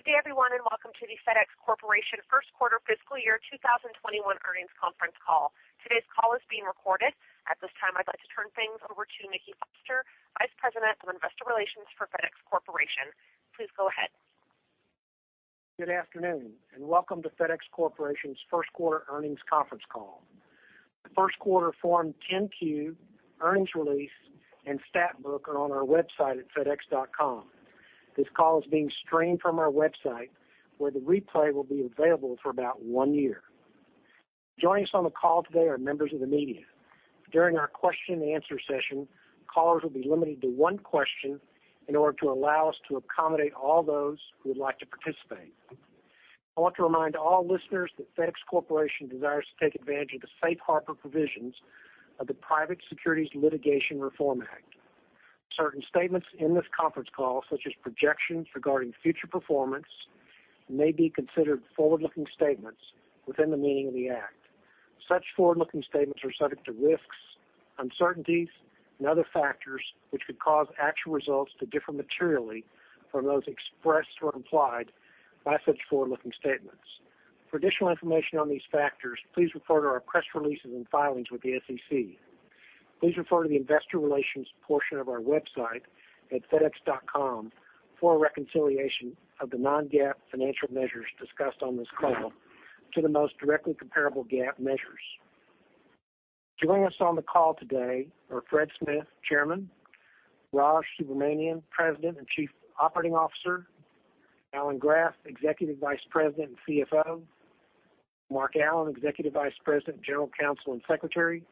Good day everyone. Welcome to the FedEx Corporation first quarter fiscal year 2021 earnings conference call. Today's call is being recorded. At this time, I'd like to turn things over to Mickey Foster, Vice President of Investor Relations for FedEx Corporation. Please go ahead. Good afternoon, welcome to FedEx Corporation's first quarter earnings conference call. The first quarter Form 10-Q, earnings release, and stat book are on our website at fedex.com. This call is being streamed from our website, where the replay will be available for about one year. Joining us on the call today are members of the media. During our question and answer session, callers will be limited to one question in order to allow us to accommodate all those who would like to participate. I want to remind all listeners that FedEx Corporation desires to take advantage of the safe harbor provisions of the Private Securities Litigation Reform Act. Certain statements in this conference call, such as projections regarding future performance, may be considered forward-looking statements within the meaning of the act. Such forward-looking statements are subject to risks, uncertainties, and other factors which could cause actual results to differ materially from those expressed or implied by such forward-looking statements. For additional information on these factors, please refer to our press releases and filings with the SEC. Please refer to the investor relations portion of our website at fedex.com for a reconciliation of the non-GAAP financial measures discussed on this call to the most directly comparable GAAP measures. Joining us on the call today are Fred Smith, Chairman, Raj Subramaniam, President and Chief Operating Officer, Alan Graf, Executive Vice President and CFO, Mark Allen, Executive Vice President, General Counsel, and Secretary,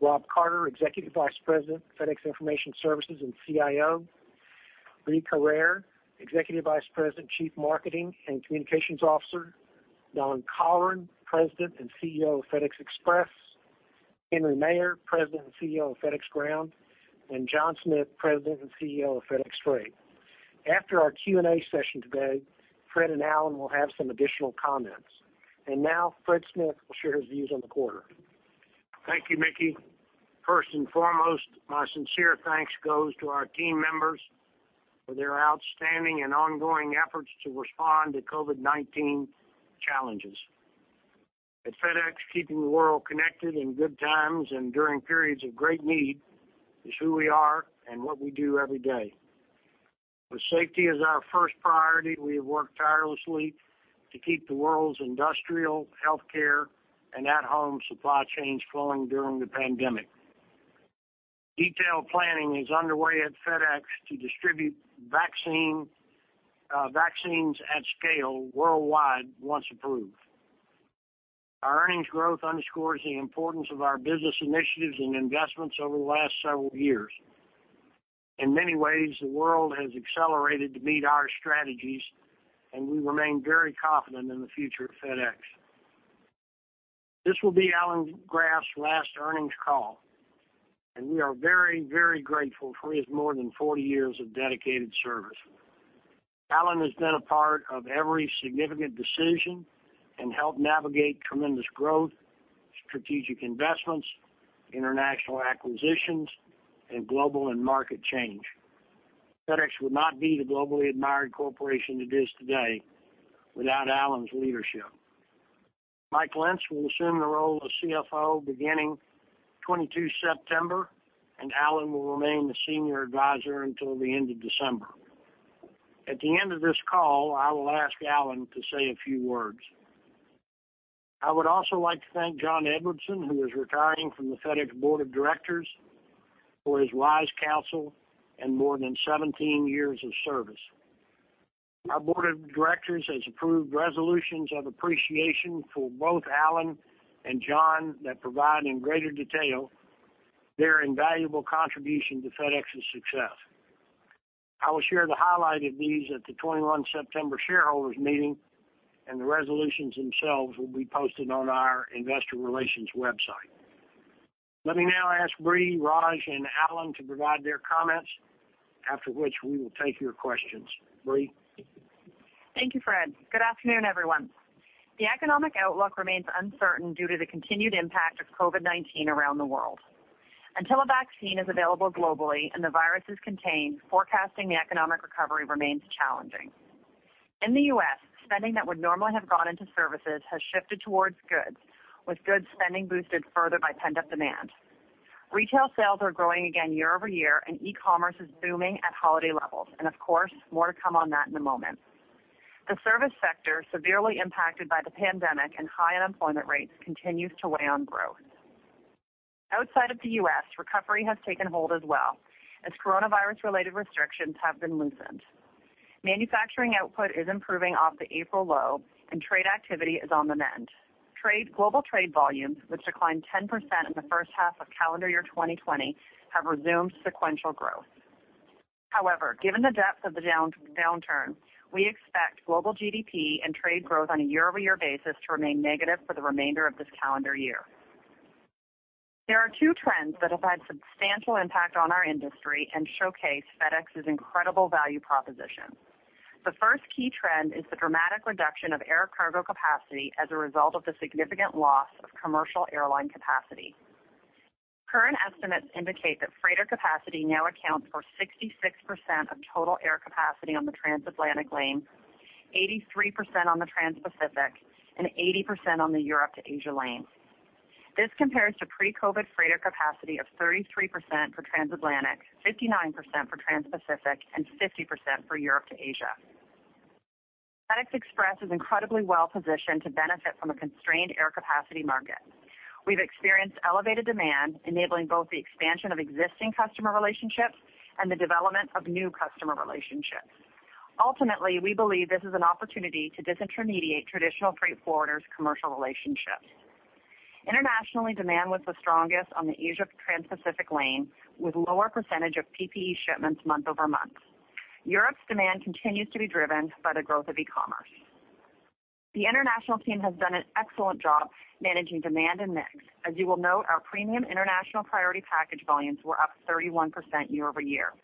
Rob Carter, Executive Vice President, FedEx Information Services, and CIO, Brie Carere, Executive Vice President, Chief Marketing and Communications Officer, Don Colleran, President and CEO of FedEx Express, Henry Maier, President and CEO of FedEx Ground, and John Smith, President and CEO of FedEx Freight. After our Q&A session today, Fred and Alan will have some additional comments. Now Fred Smith will share his views on the quarter. Thank you, Mickey. First and foremost, my sincere thanks goes to our team members for their outstanding and ongoing efforts to respond to COVID-19 challenges. At FedEx, keeping the world connected in good times and during periods of great need is who we are and what we do every day. With safety as our first priority, we have worked tirelessly to keep the world's industrial, healthcare, and at-home supply chains flowing during the pandemic. Detailed planning is underway at FedEx to distribute vaccines at scale worldwide once approved. Our earnings growth underscores the importance of our business initiatives and investments over the last several years. In many ways, the world has accelerated to meet our strategies, and we remain very confident in the future of FedEx. This will be Alan Graf's last earnings call, and we are very, very grateful for his more than 40 years of dedicated service. Alan has been a part of every significant decision and helped navigate tremendous growth, strategic investments, international acquisitions, and global and market change. FedEx would not be the globally admired corporation it is today without Alan's leadership. Mike Lenz will assume the role of CFO beginning 22 September, and Alan will remain the senior advisor until the end of December. At the end of this call, I will ask Alan to say a few words. I would also like to thank John Edwardson, who is retiring from the FedEx Board of Directors, for his wise counsel and more than 17 years of service. Our board of directors has approved resolutions of appreciation for both Alan and John that provide in greater detail their invaluable contribution to FedEx's success. I will share the highlight of these at the 21 September shareholders meeting, and the resolutions themselves will be posted on our investor relations website. Let me now ask Brie, Raj, and Alan to provide their comments, after which we will take your questions. Brie? Thank you, Fred. Good afternoon, everyone. The economic outlook remains uncertain due to the continued impact of COVID-19 around the world. Until a vaccine is available globally and the virus is contained, forecasting the economic recovery remains challenging. In the U.S., spending that would normally have gone into services has shifted towards goods, with goods spending boosted further by pent-up demand. Retail sales are growing again year-over-year, e-commerce is booming at holiday levels. Of course, more to come on that in a moment. The service sector, severely impacted by the pandemic and high unemployment rates, continues to weigh on growth. Outside of the U.S., recovery has taken hold as well, as coronavirus-related restrictions have been loosened. Manufacturing output is improving off the April low and trade activity is on the mend. Global trade volumes, which declined 10% in the first half of calendar year 2020, have resumed sequential growth. Given the depth of the downturn, we expect global GDP and trade growth on a year-over-year basis to remain negative for the remainder of this calendar year. There are two trends that have had substantial impact on our industry and showcase FedEx's incredible value proposition. The first key trend is the dramatic reduction of air cargo capacity as a result of the significant loss of commercial airline capacity. Current estimates indicate that freighter capacity now accounts for 66% of total air capacity on the transatlantic lane, 83% on the transpacific, and 80% on the Europe to Asia lane. This compares to pre-COVID freighter capacity of 33% for transatlantic, 59% for transpacific and 50% for Europe to Asia. FedEx Express is incredibly well-positioned to benefit from a constrained air capacity market. We've experienced elevated demand, enabling both the expansion of existing customer relationships and the development of new customer relationships. Ultimately, we believe this is an opportunity to disintermediate traditional freight forwarders' commercial relationships. Internationally, demand was the strongest on the Asia transpacific lane, with lower percentage of PPE shipments month-over-month. Europe's demand continues to be driven by the growth of e-commerce. The international team has done an excellent job managing demand and mix. As you will note, our premium international priority package volumes were up 31% year-over-year.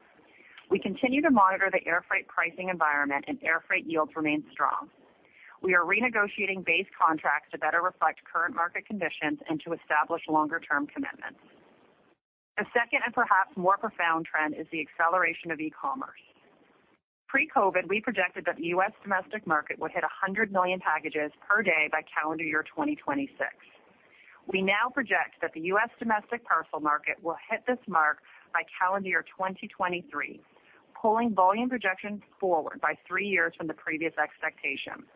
We continue to monitor the air freight pricing environment and air freight yields remain strong. We are renegotiating base contracts to better reflect current market conditions and to establish longer-term commitments. The second, and perhaps more profound trend, is the acceleration of e-commerce. Pre-COVID, we projected that the U.S. domestic market would hit 100 million packages per day by calendar year 2026. We now project that the U.S. domestic parcel market will hit this mark by calendar year 2023, pulling volume projections forward by three years from the previous expectation.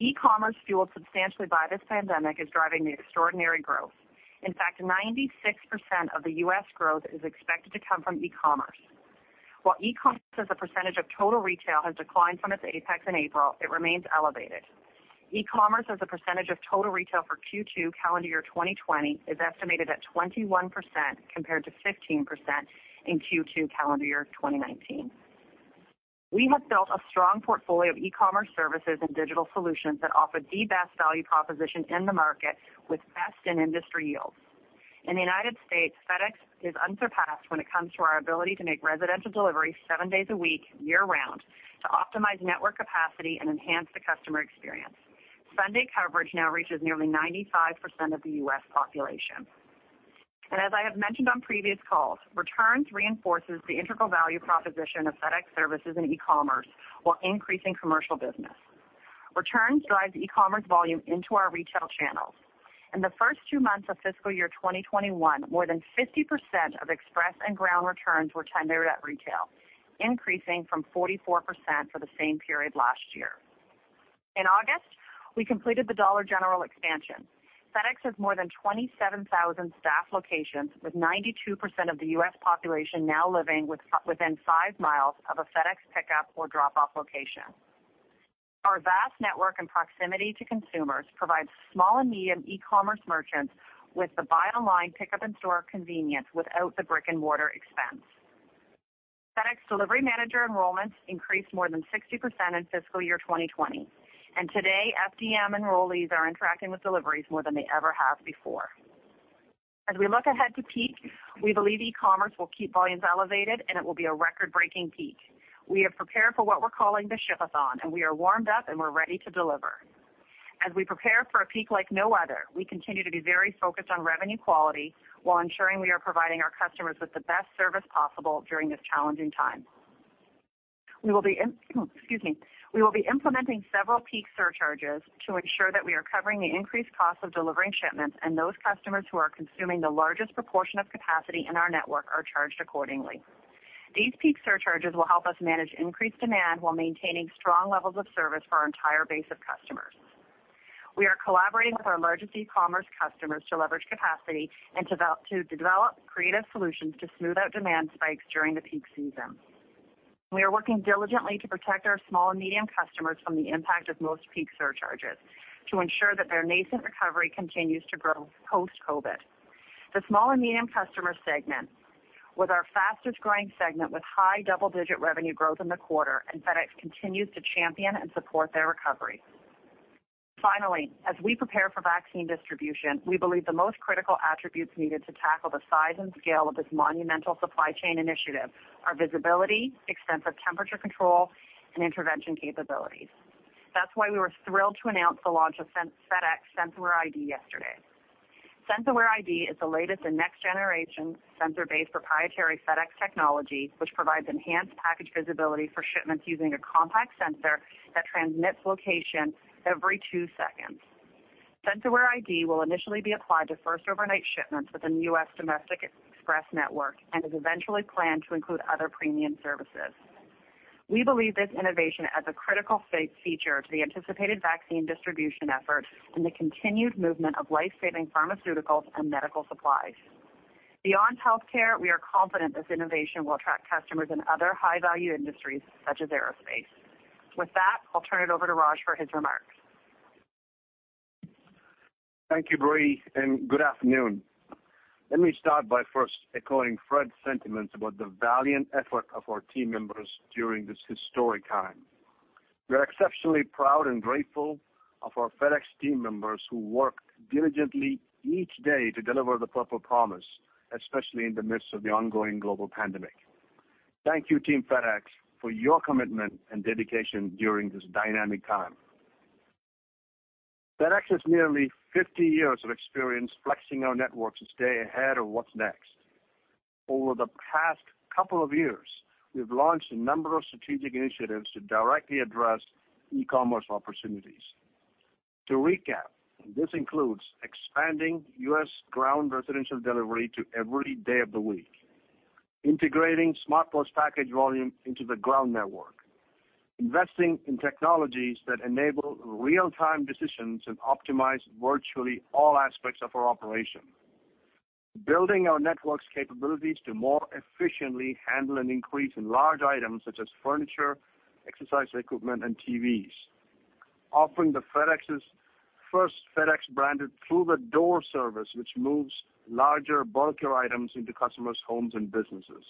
E-commerce, fueled substantially by this pandemic, is driving the extraordinary growth. In fact, 96% of the U.S. growth is expected to come from e-commerce. While e-commerce as a percentage of total retail has declined from its apex in April, it remains elevated. E-commerce as a percentage of total retail for Q2 calendar year 2020 is estimated at 21%, compared to 15% in Q2 calendar year 2019. We have built a strong portfolio of e-commerce services and digital solutions that offer the best value proposition in the market with best-in-industry yields. In the U.S., FedEx is unsurpassed when it comes to our ability to make residential deliveries seven days a week, year-round, to optimize network capacity and enhance the customer experience. Sunday coverage now reaches nearly 95% of the U.S. population. As I have mentioned on previous calls, returns reinforces the integral value proposition of FedEx services in e-commerce while increasing commercial business. Returns drives e-commerce volume into our retail channels. In the first two months of fiscal year 2021, more than 50% of Express and Ground returns were tendered at retail, increasing from 44% for the same period last year. In August, we completed the Dollar General expansion. FedEx has more than 27,000 staffed locations, with 92% of the U.S. population now living within five miles of a FedEx pickup or drop-off location. Our vast network and proximity to consumers provides small and medium e-commerce merchants with the buy online pickup in store convenience without the brick-and-mortar expense. FedEx Delivery Manager enrollment increased more than 60% in fiscal year 2020, and today FDM enrollees are interacting with deliveries more than they ever have before. As we look ahead to peak, we believe e-commerce will keep volumes elevated. It will be a record-breaking peak. We have prepared for what we're calling the Shipathon. We are warmed up and we're ready to deliver. As we prepare for a peak like no other, we continue to be very focused on revenue quality while ensuring we are providing our customers with the best service possible during this challenging time. Excuse me. We will be implementing several peak surcharges to ensure that we are covering the increased cost of delivering shipments, and those customers who are consuming the largest proportion of capacity in our network are charged accordingly. These peak surcharges will help us manage increased demand while maintaining strong levels of service for our entire base of customers. We are collaborating with our largest e-commerce customers to leverage capacity and to develop creative solutions to smooth out demand spikes during the peak season. We are working diligently to protect our small and medium customers from the impact of most peak surcharges to ensure that their nascent recovery continues to grow post-COVID. The small and medium customer segment was our fastest growing segment with high double-digit revenue growth in the quarter, and FedEx continues to champion and support their recovery. Finally, as we prepare for vaccine distribution, we believe the most critical attributes needed to tackle the size and scale of this monumental supply chain initiative are visibility, extensive temperature control, and intervention capabilities. That's why we were thrilled to announce the launch of FedEx SenseAware ID yesterday. SenseAware ID is the latest in next generation sensor-based proprietary FedEx technology, which provides enhanced package visibility for shipments using a compact sensor that transmits location every two seconds. SenseAware ID will initially be applied to first overnight shipments within the U.S. Domestic Express network and is eventually planned to include other premium services. We believe this innovation as a critical feature to the anticipated vaccine distribution effort and the continued movement of life-saving pharmaceuticals and medical supplies. Beyond healthcare, we are confident this innovation will attract customers in other high-value industries such as aerospace. With that, I'll turn it over to Raj for his remarks. Thank you, Brie, and good afternoon. Let me start by first echoing Fred's sentiments about the valiant effort of our team members during this historic time. We are exceptionally proud and grateful of our FedEx team members who work diligently each day to deliver the Purple Promise, especially in the midst of the ongoing global pandemic. Thank you, Team FedEx, for your commitment and dedication during this dynamic time. FedEX has nearly 50 years of experience flexing our networks to stay ahead of what's next. Over the past couple of years, we've launched a number of strategic initiatives to directly address e-commerce opportunities. To recap, this includes expanding U.S. Ground residential delivery to every day of the week, integrating SmartPost package volume into the Ground network, investing in technologies that enable real-time decisions and optimize virtually all aspects of our operation, building our network's capabilities to more efficiently handle an increase in large items such as furniture, exercise equipment, and TVs, offering the FedEx's first FedEx-branded through-the-door service, which moves larger, bulkier items into customers' homes and businesses,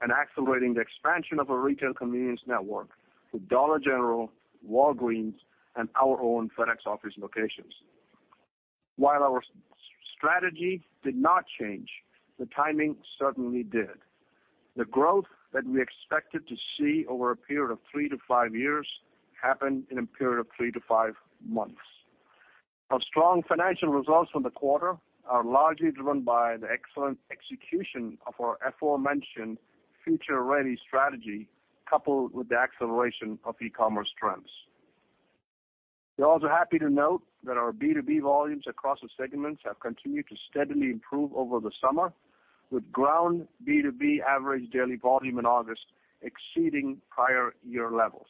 and accelerating the expansion of our retail convenience network with Dollar General, Walgreens, and our own FedEx Office locations. While our strategy did not change, the timing certainly did. The growth that we expected to see over a period of three to five years happened in a period of three-five months. Our strong financial results for the quarter are largely driven by the excellent execution of our aforementioned future-ready strategy, coupled with the acceleration of e-commerce trends. We're also happy to note that our B2B volumes across the segments have continued to steadily improve over the summer, with ground B2B average daily volume in August exceeding prior year levels.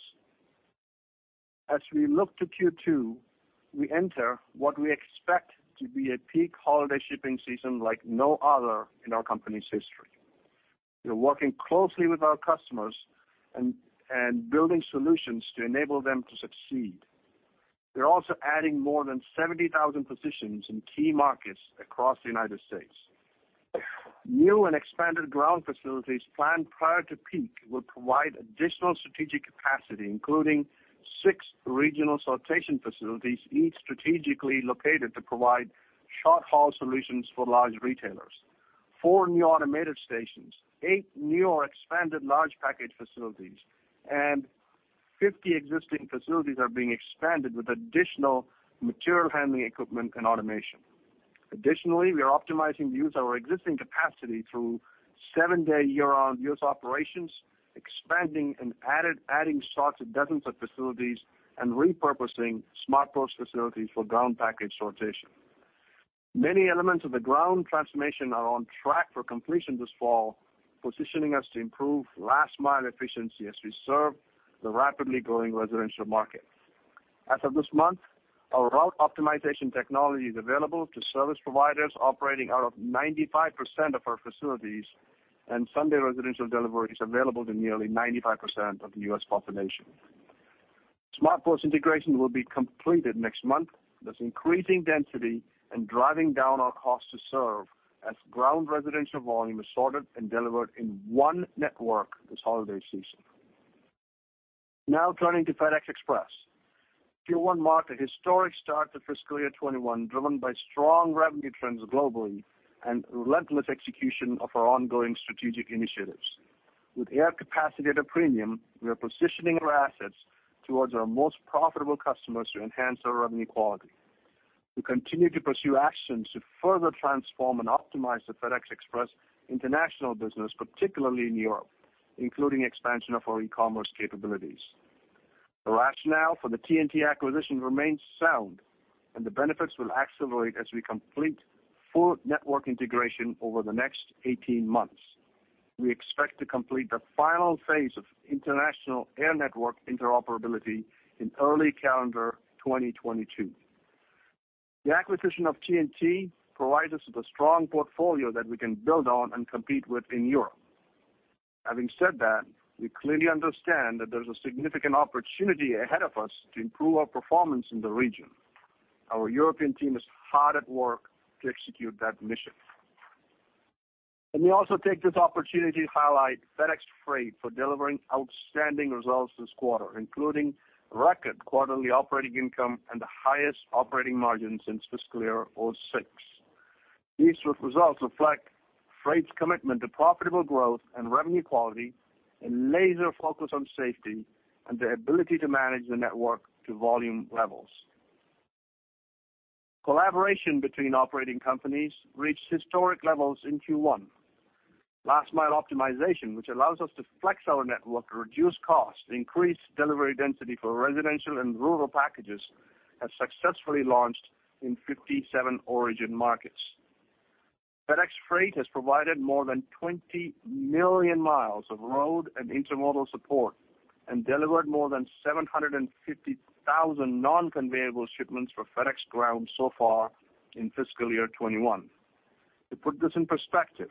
As we look to Q2, we enter what we expect to be a peak holiday shipping season like no other in our company's history. We are working closely with our customers and building solutions to enable them to succeed. We're also adding more than 70,000 positions in key markets across the United States. New and expanded ground facilities planned prior to peak will provide additional strategic capacity, including six regional sortation facilities, each strategically located to provide short-haul solutions for large retailers, four new automated stations, eight new or expanded large package facilities, and 50 existing facilities are being expanded with additional material handling equipment and automation. Additionally, we are optimizing the use of our existing capacity through seven-day year-round U.S. operations, expanding and adding sorts at dozens of facilities, and repurposing SmartPost facilities for ground package sortation. Many elements of the ground transformation are on track for completion this fall, positioning us to improve last-mile efficiency as we serve the rapidly growing residential market. As of this month, our route optimization technology is available to service providers operating out of 95% of our facilities, and Sunday residential delivery is available to nearly 95% of the U.S. population. SmartPost integration will be completed next month, thus increasing density and driving down our cost to serve as ground residential volume is sorted and delivered in one network this holiday season. Turning to FedEx Express. Q1 marked a historic start to fiscal year 2021, driven by strong revenue trends globally and relentless execution of our ongoing strategic initiatives. With air capacity at a premium, we are positioning our assets towards our most profitable customers to enhance our revenue quality. We continue to pursue actions to further transform and optimize the FedEx Express international business, particularly in Europe, including expansion of our e-commerce capabilities. The rationale for the TNT acquisition remains sound. The benefits will accelerate as we complete full network integration over the next 18 months. We expect to complete the final phase of international air network interoperability in early calendar 2022. The acquisition of TNT provides us with a strong portfolio that we can build on and compete with in Europe. Having said that, we clearly understand that there's a significant opportunity ahead of us to improve our performance in the region. Our European team is hard at work to execute that mission. Let me also take this opportunity to highlight FedEx Freight for delivering outstanding results this quarter, including record quarterly operating income and the highest operating margin since fiscal year 2006. These results reflect Freight's commitment to profitable growth and revenue quality, a laser focus on safety, and the ability to manage the network to volume levels. Collaboration between operating companies reached historic levels in Q1. Last mile optimization, which allows us to flex our network to reduce cost, increase delivery density for residential and rural packages, has successfully launched in 57 origin markets. FedEx Freight has provided more than 20 million miles of road and intermodal support and delivered more than 750,000 non-conveyable shipments for FedEx Ground so far in fiscal year 2021. To put this in perspective,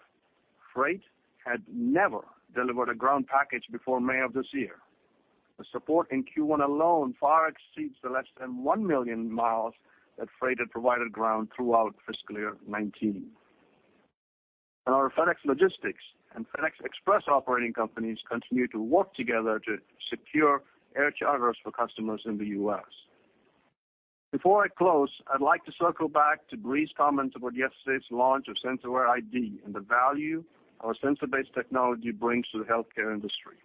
Freight had never delivered a Ground package before May of this year. The support in Q1 alone far exceeds the less than 1 million miles that Freight had provided Ground throughout fiscal year 2019. Our FedEx Logistics and FedEx Express operating companies continue to work together to secure air charters for customers in the U.S. Before I close, I'd like to circle back to Brie's comment about yesterday's launch of SenseAware ID and the value our sensor-based technology brings to the healthcare industry.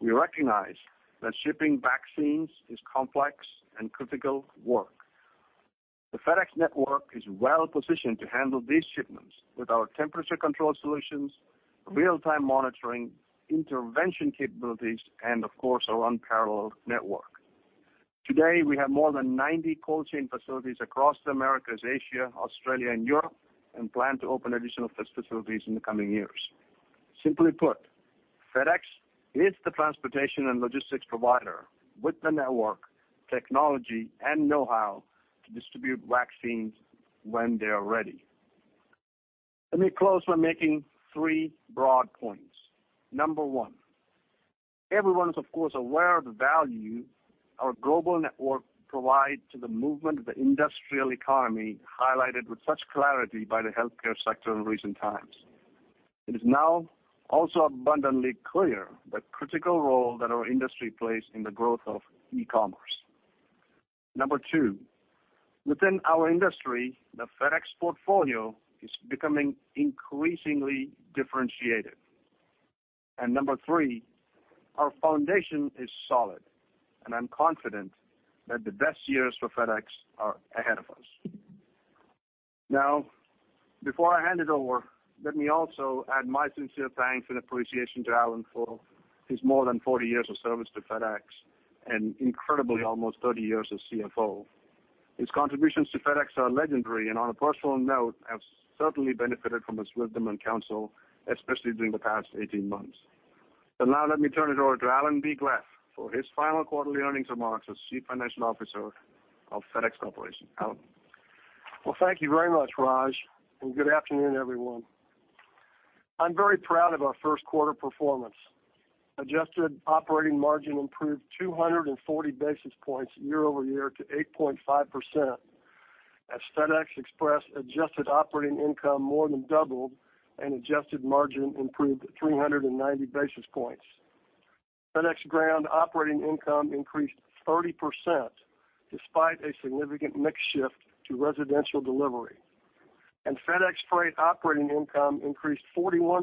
We recognize that shipping vaccines is complex and critical work. The FedEx network is well-positioned to handle these shipments with our temperature control solutions, real-time monitoring, intervention capabilities, and of course, our unparalleled network. Today, we have more than 90 cold chain facilities across the Americas, Asia, Australia, and Europe, and plan to open additional facilities in the coming years. Simply put, FedEx is the transportation and logistics provider with the network, technology, and know-how to distribute vaccines when they are ready. Let me close by making three broad points. Number one, everyone is of course, aware of the value our global network provides to the movement of the industrial economy, highlighted with such clarity by the healthcare sector in recent times. It is now also abundantly clear the critical role that our industry plays in the growth of e-commerce. Number two, within our industry, the FedEx portfolio is becoming increasingly differentiated. Number three, our foundation is solid, and I'm confident that the best years for FedEx are ahead of us. Now, before I hand it over, let me also add my sincere thanks and appreciation to Alan for his more than 40 years of service to FedEx, and incredibly, almost 30 years as CFO. His contributions to FedEx are legendary, and on a personal note, I have certainly benefited from his wisdom and counsel, especially during the past 18 months. Now let me turn it over to Alan B. Graf for his final quarterly earnings remarks as Chief Financial Officer of FedEx Corporation. Alan. Well, thank you very much, Raj, and good afternoon, everyone. I'm very proud of our first quarter performance. Adjusted operating margin improved 240 basis points year-over-year to 8.5%, as FedEx Express adjusted operating income more than doubled and adjusted margin improved 390 basis points. FedEx Ground operating income increased 30%, despite a significant mix shift to residential delivery. FedEx Freight operating income increased 41%,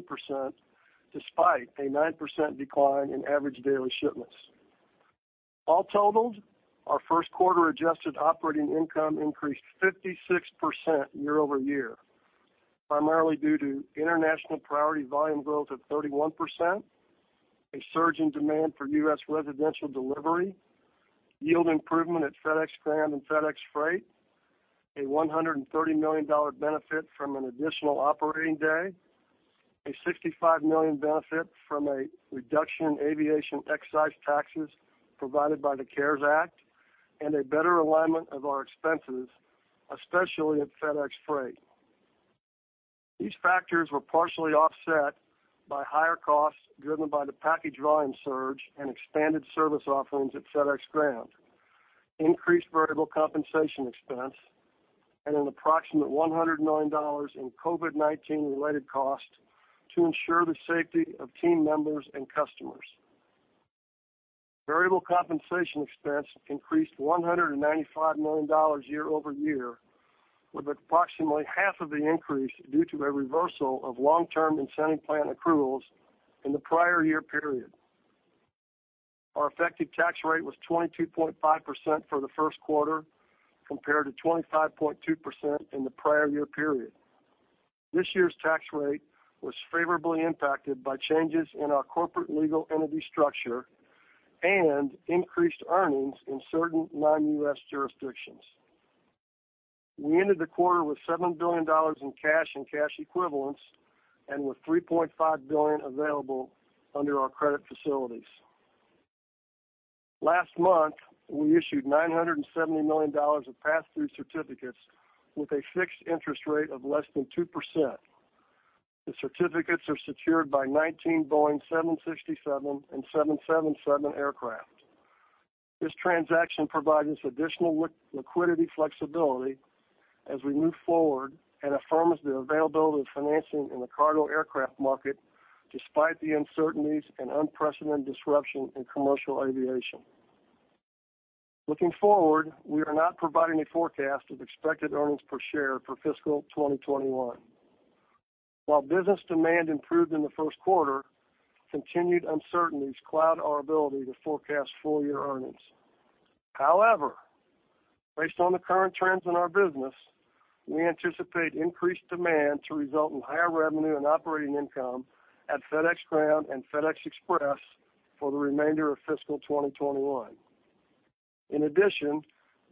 despite a 9% decline in average daily shipments. All totaled, our first quarter adjusted operating income increased 56% year-over-year, primarily due to international priority volume growth of 31%, a surge in demand for U.S. residential delivery, yield improvement at FedEx Ground and FedEx Freight, a $130 million benefit from an additional operating day, a $65 million benefit from a reduction in aviation excise taxes provided by the CARES Act, and a better alignment of our expenses, especially at FedEx Freight. These factors were partially offset by higher costs driven by the package volume surge and expanded service offerings at FedEx Ground, increased variable compensation expense, and an approximate $100 million in COVID-19 related costs to ensure the safety of team members and customers. Variable compensation expense increased $195 million year-over-year, with approximately half of the increase due to a reversal of long-term incentive plan accruals in the prior year period. Our effective tax rate was 22.5% for the first quarter, compared to 25.2% in the prior year period. This year's tax rate was favorably impacted by changes in our corporate legal entity structure and increased earnings in certain non-U.S. jurisdictions. We ended the quarter with $7 billion in cash and cash equivalents and with $3.5 billion available under our credit facilities. Last month, we issued $970 million of pass-through certificates with a fixed interest rate of less than 2%. The certificates are secured by 19 Boeing 767 and 777 aircraft. This transaction provides us additional liquidity flexibility as we move forward and affirms the availability of financing in the cargo aircraft market, despite the uncertainties and unprecedented disruption in commercial aviation. Looking forward, we are not providing a forecast of expected earnings per share for fiscal 2021. While business demand improved in the first quarter, continued uncertainties cloud our ability to forecast full-year earnings. However, based on the current trends in our business, we anticipate increased demand to result in higher revenue and operating income at FedEx Ground and FedEx Express for the remainder of fiscal 2021. In addition,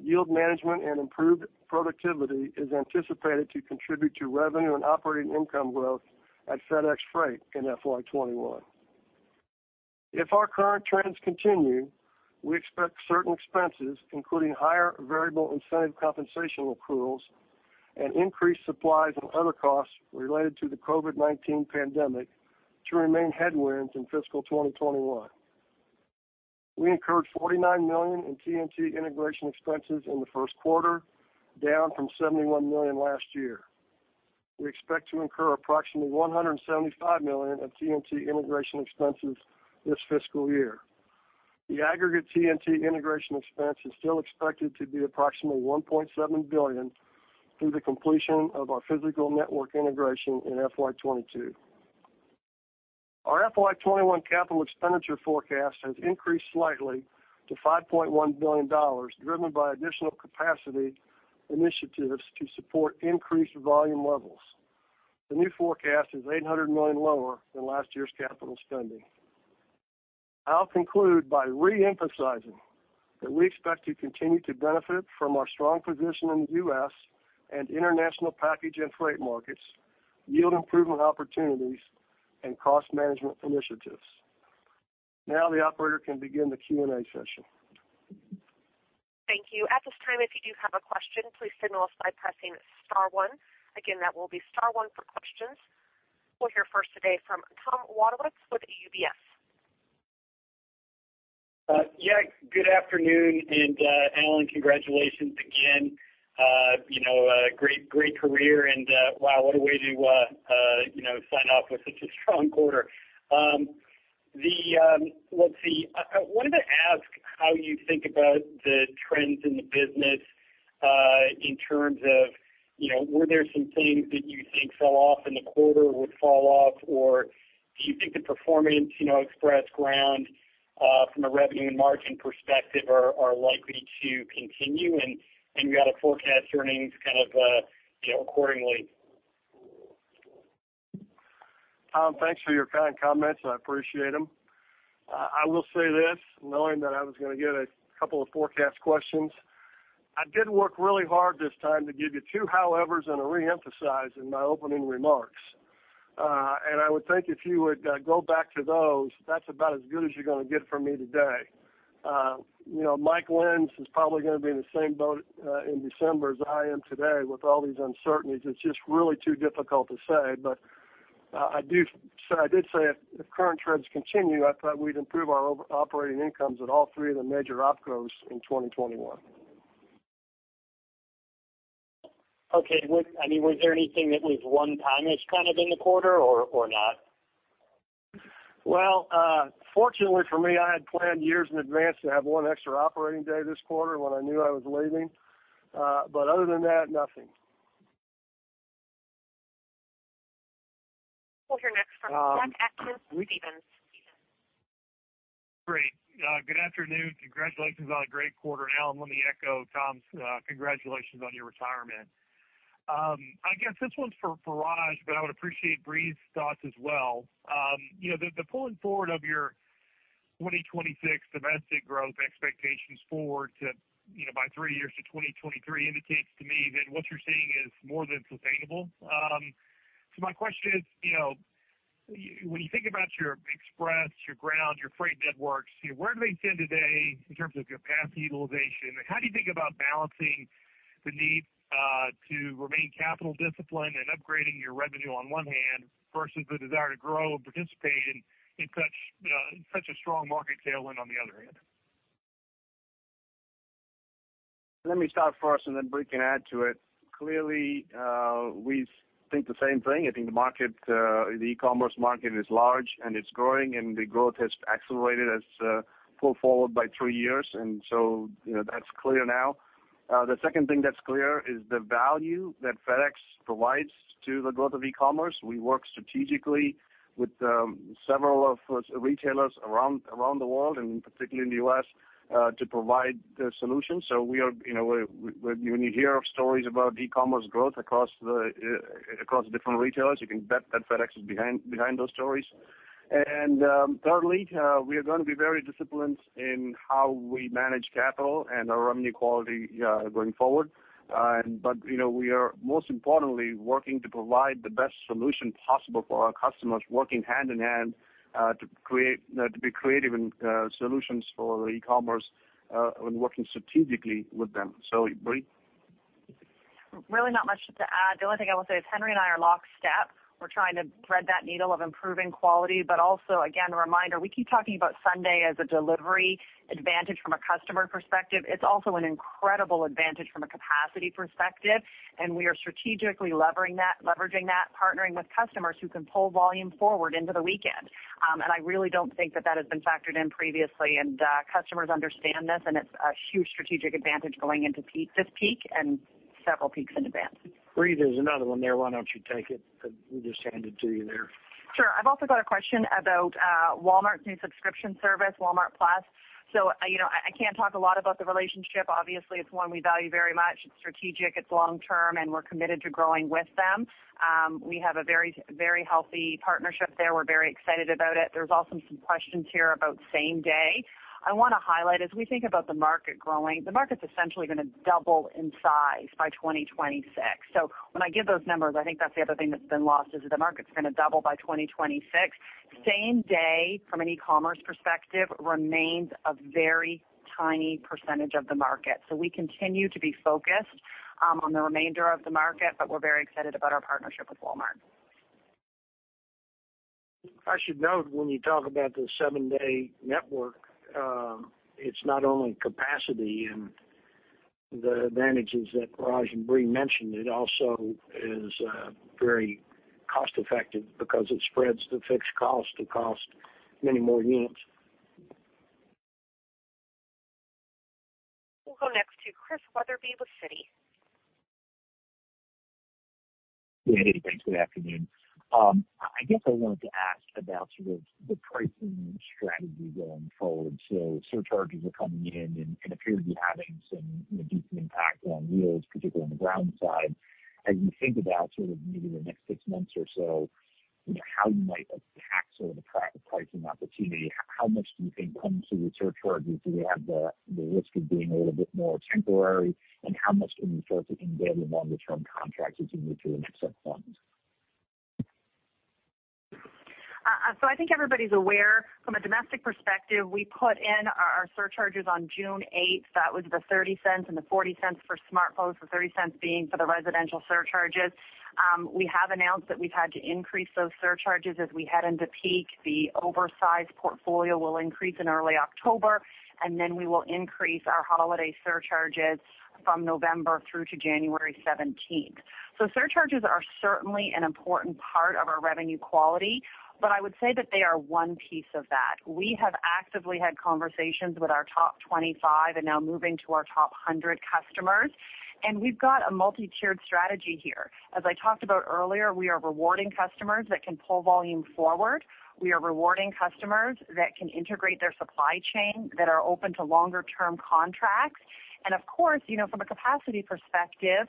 yield management and improved productivity is anticipated to contribute to revenue and operating income growth at FedEx Freight in FY 2021. If our current trends continue, we expect certain expenses, including higher variable incentive compensation accruals and increased supplies and other costs related to the COVID-19 pandemic, to remain headwinds in fiscal 2021. We incurred $49 million in TNT integration expenses in the first quarter, down from $71 million last year. We expect to incur approximately $175 million of TNT integration expenses this fiscal year. The aggregate TNT integration expense is still expected to be approximately $1.7 billion through the completion of our physical network integration in FY 2022. Our FY 2021 capital expenditure forecast has increased slightly to $5.1 billion, driven by additional capacity initiatives to support increased volume levels. The new forecast is $800 million lower than last year's capital spending. I'll conclude by re-emphasizing that we expect to continue to benefit from our strong position in the U.S. and international package and freight markets, yield improvement opportunities, and cost management initiatives. Now the operator can begin the Q&A session. Thank you. At this time, if you do have a question, please signal us by pressing star one. That will be star one for questions. We'll hear first today from Tom Wadewitz with UBS. Yeah. Good afternoon. Alan, congratulations again. A great career and wow, what a way to sign off with such a strong quarter. Let's see. I wanted to ask how you think about the trends in the business, in terms of were there some things that you think fell off in the quarter or would fall off, or do you think the performance, Express Ground from a revenue and margin perspective are likely to continue? You had to forecast earnings kind of accordingly. Tom, thanks for your kind comments. I appreciate them. I will say this, knowing that I was going to get a couple of forecast questions. I did work really hard this time to give you two howevers and a re-emphasize in my opening remarks. I would think if you would go back to those, that's about as good as you're going to get from me today. Mike Lenz is probably going to be in the same boat in December as I am today with all these uncertainties. It's just really too difficult to say. I did say if current trends continue, I thought we'd improve our operating incomes at all three of the major Opcos in 2021. Okay. Was there anything that was one-timeness kind of in the quarter or not? Well, fortunately for me, I had planned years in advance to have one extra operating day this quarter when I knew I was leaving. Other than that, nothing. We'll hear next from Jack Atkins, Stephens. Great. Good afternoon. Congratulations on a great quarter, Alan. Let me echo Tom's congratulations on your retirement. I guess this one's for Raj, but I would appreciate Brie's thoughts as well. The pulling forward of your 2026 domestic growth expectations forward by three years to 2023 indicates to me that what you're seeing is more than sustainable. My question is, when you think about your Express, your Ground, your Freight networks, where do they stand today in terms of capacity utilization? How do you think about balancing the need to remain capital discipline and upgrading your revenue on one hand versus the desire to grow and participate in such a strong market tailwind on the other hand? Let me start first, then Brie can add to it. Clearly, we think the same thing. I think the e-commerce market is large, and it's growing, and the growth has accelerated as pulled forward by three years. That's clear now. The second thing that's clear is the value that FedEx provides to the growth of e-commerce. We work strategically with several of retailers around the world, and particularly in the U.S., to provide the solution. When you hear stories about e-commerce growth across different retailers, you can bet that FedEx is behind those stories. Thirdly, we are going to be very disciplined in how we manage capital and our revenue quality going forward. We are most importantly working to provide the best solution possible for our customers, working hand in hand to be creative in solutions for e-commerce and working strategically with them. Brie. Really not much to add. The only thing I will say is Henry and I are lockstep. We're trying to thread that needle of improving quality, but also, again, a reminder, we keep talking about Sunday as a delivery advantage from a customer perspective. It's also an incredible advantage from a capacity perspective. We are strategically leveraging that, partnering with customers who can pull volume forward into the weekend. I really don't think that has been factored in previously, and customers understand this, and it's a huge strategic advantage going into this peak and several peaks in advance. Brie, there's another one there. Why don't you take it? We just hand it to you there. Sure. I've also got a question about Walmart's new subscription service, Walmart+. I can't talk a lot about the relationship. Obviously, it's one we value very much. It's strategic, it's long-term, and we're committed to growing with them. We have a very healthy partnership there. We're very excited about it. There's also some questions here about same day. I want to highlight, as we think about the market growing, the market's essentially going to double in size by 2026. When I give those numbers, I think that's the other thing that's been lost is that the market's going to double by 2026. Same day from an e-commerce perspective remains a very tiny percentage of the market. We continue to be focused on the remainder of the market, but we're very excited about our partnership with Walmart. I should note when you talk about the seven-day network, it's not only capacity and the advantages that Raj and Bree mentioned, it also is very cost-effective because it spreads the fixed cost to cost many more units. We'll go next to Chris Wetherbee with Citi. Hey, thanks. Good afternoon. I guess I wanted to ask about sort of the pricing strategy going forward. Surcharges are coming in and appear to be having some decent impact on yields, particularly on the Ground side. As you think about sort of maybe the next six months or so, how you might attack sort of the pricing opportunity, how much do you think comes through the surcharges? Do you have the risk of being a little bit more temporary, and how much can you sort of embed in longer-term contracts as you move through the next six months? I think everybody's aware from a domestic perspective, we put in our surcharges on June 8th. That was the $0.30 and the $0.40 for SmartPost, the $0.30 being for the residential surcharges. We have announced that we've had to increase those surcharges as we head into peak. The oversized portfolio will increase in early October, and then we will increase our holiday surcharges from November through to January 17th. Surcharges are certainly an important part of our revenue quality, but I would say that they are one piece of that. We have actively had conversations with our top 25 and now moving to our top 100 customers, and we've got a multi-tiered strategy here. As I talked about earlier, we are rewarding customers that can pull volume forward. We are rewarding customers that can integrate their supply chain, that are open to longer-term contracts. Of course, from a capacity perspective,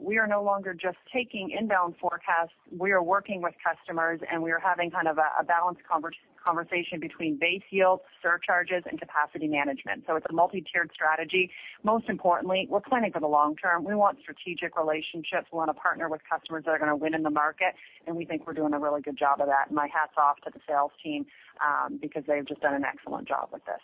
we are no longer just taking inbound forecasts. We are working with customers, and we are having kind of a balanced conversation between base yields, surcharges, and capacity management. It's a multi-tiered strategy. Most importantly, we're planning for the long term. We want strategic relationships. We want to partner with customers that are going to win in the market, and we think we're doing a really good job of that. My hat's off to the sales team because they've just done an excellent job with this.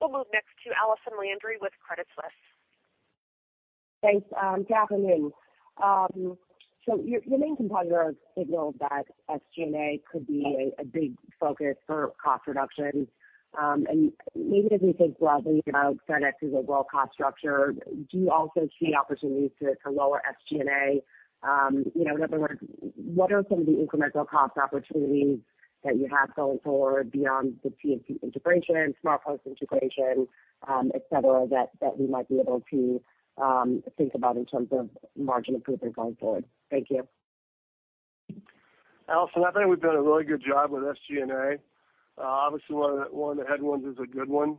We'll move next to Allison Landry with Credit Suisse. Thanks. Good afternoon. Your main competitor has signaled that SG&A could be a big focus for cost reduction. Maybe as we think broadly about FedEx's overall cost structure, do you also see opportunities to lower SG&A? In other words, what are some of the incremental cost opportunities that you have going forward beyond the TNT integration, SmartPost integration, et cetera, that we might be able to think about in terms of margin improvement going forward? Thank you. Allison, I think we've done a really good job with SG&A. Obviously, one of the headwinds is a good one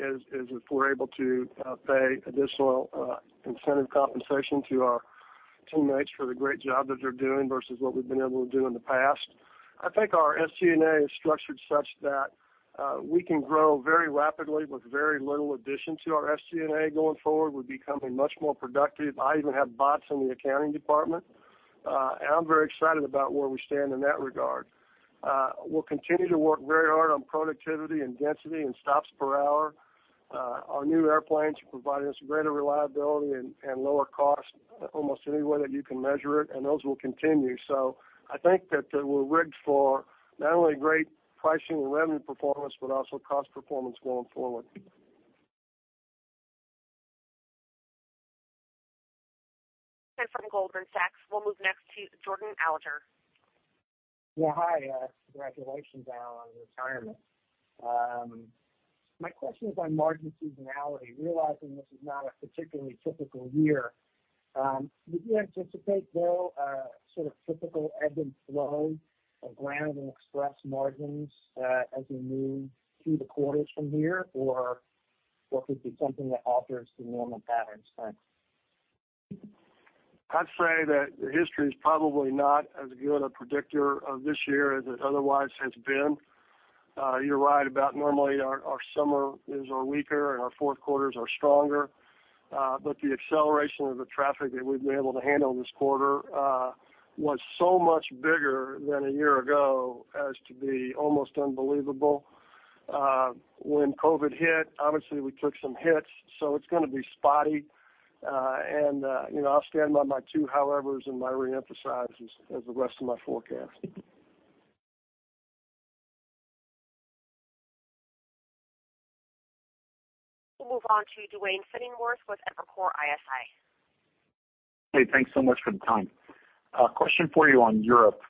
is if we're able to pay additional incentive compensation to our teammates for the great job that they're doing versus what we've been able to do in the past. I think our SG&A is structured such that we can grow very rapidly with very little addition to our SG&A going forward. We're becoming much more productive. I even have bots in the accounting department. I'm very excited about where we stand in that regard. We'll continue to work very hard on productivity and density and stops per hour. Our new airplanes are providing us greater reliability and lower cost almost any way that you can measure it. Those will continue. I think that we're rigged for not only great pricing and revenue performance, but also cost performance going forward. From Goldman Sachs. We'll move next to Jordan Alliger. Yeah. Hi. Congratulations, Alan, on your retirement. My question is on margin seasonality. Realizing this is not a particularly typical year, would you anticipate, though, a sort of typical ebb and flow of Ground and Express margins as we move through the quarters from here, or what would be something that alters the normal patterns? Thanks. I'd say that the history is probably not as good a predictor of this year as it otherwise has been. You're right about normally our summer is our weaker and our fourth quarters are stronger. The acceleration of the traffic that we've been able to handle this quarter was so much bigger than a year ago as to be almost unbelievable. When COVID hit, obviously we took some hits, it's going to be spotty. I'll stand by my two howevers and my reemphasizes as the rest of my forecast. We'll move on to Duane Pfennigwerth with Evercore ISI. Hey. Thanks so much for the time. A question for you on Europe.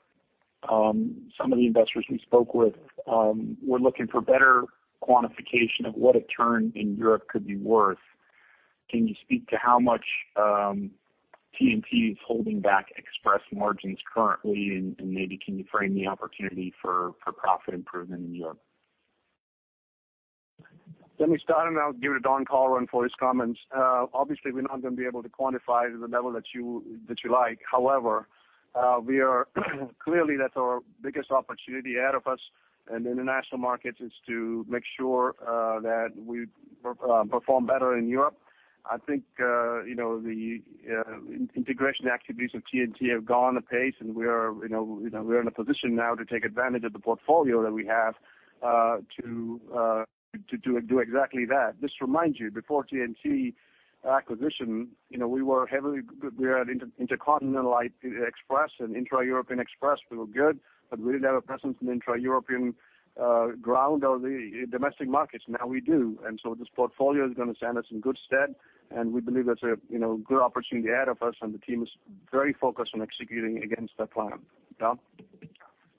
Some of the investors we spoke with were looking for better quantification of what a turn in Europe could be worth. Can you speak to how much TNT is holding back express margins currently, and maybe can you frame the opportunity for profit improvement in Europe? Let me start, and I'll give it to Don Colleran for his comments. Obviously, we're not going to be able to quantify to the level that you like. However, clearly that's our biggest opportunity ahead of us in the international markets is to make sure that we perform better in Europe. I think the integration activities of TNT have gone apace, and we are in a position now to take advantage of the portfolio that we have to do exactly that. Just to remind you, before TNT acquisition, we were heavily Intercontinental Express and intra-European Express, we were good, but we didn't have a presence in intra-European ground or the domestic markets. Now we do. This portfolio is going to stand us in good stead, and we believe that's a good opportunity ahead of us, and the team is very focused on executing against that plan. Don?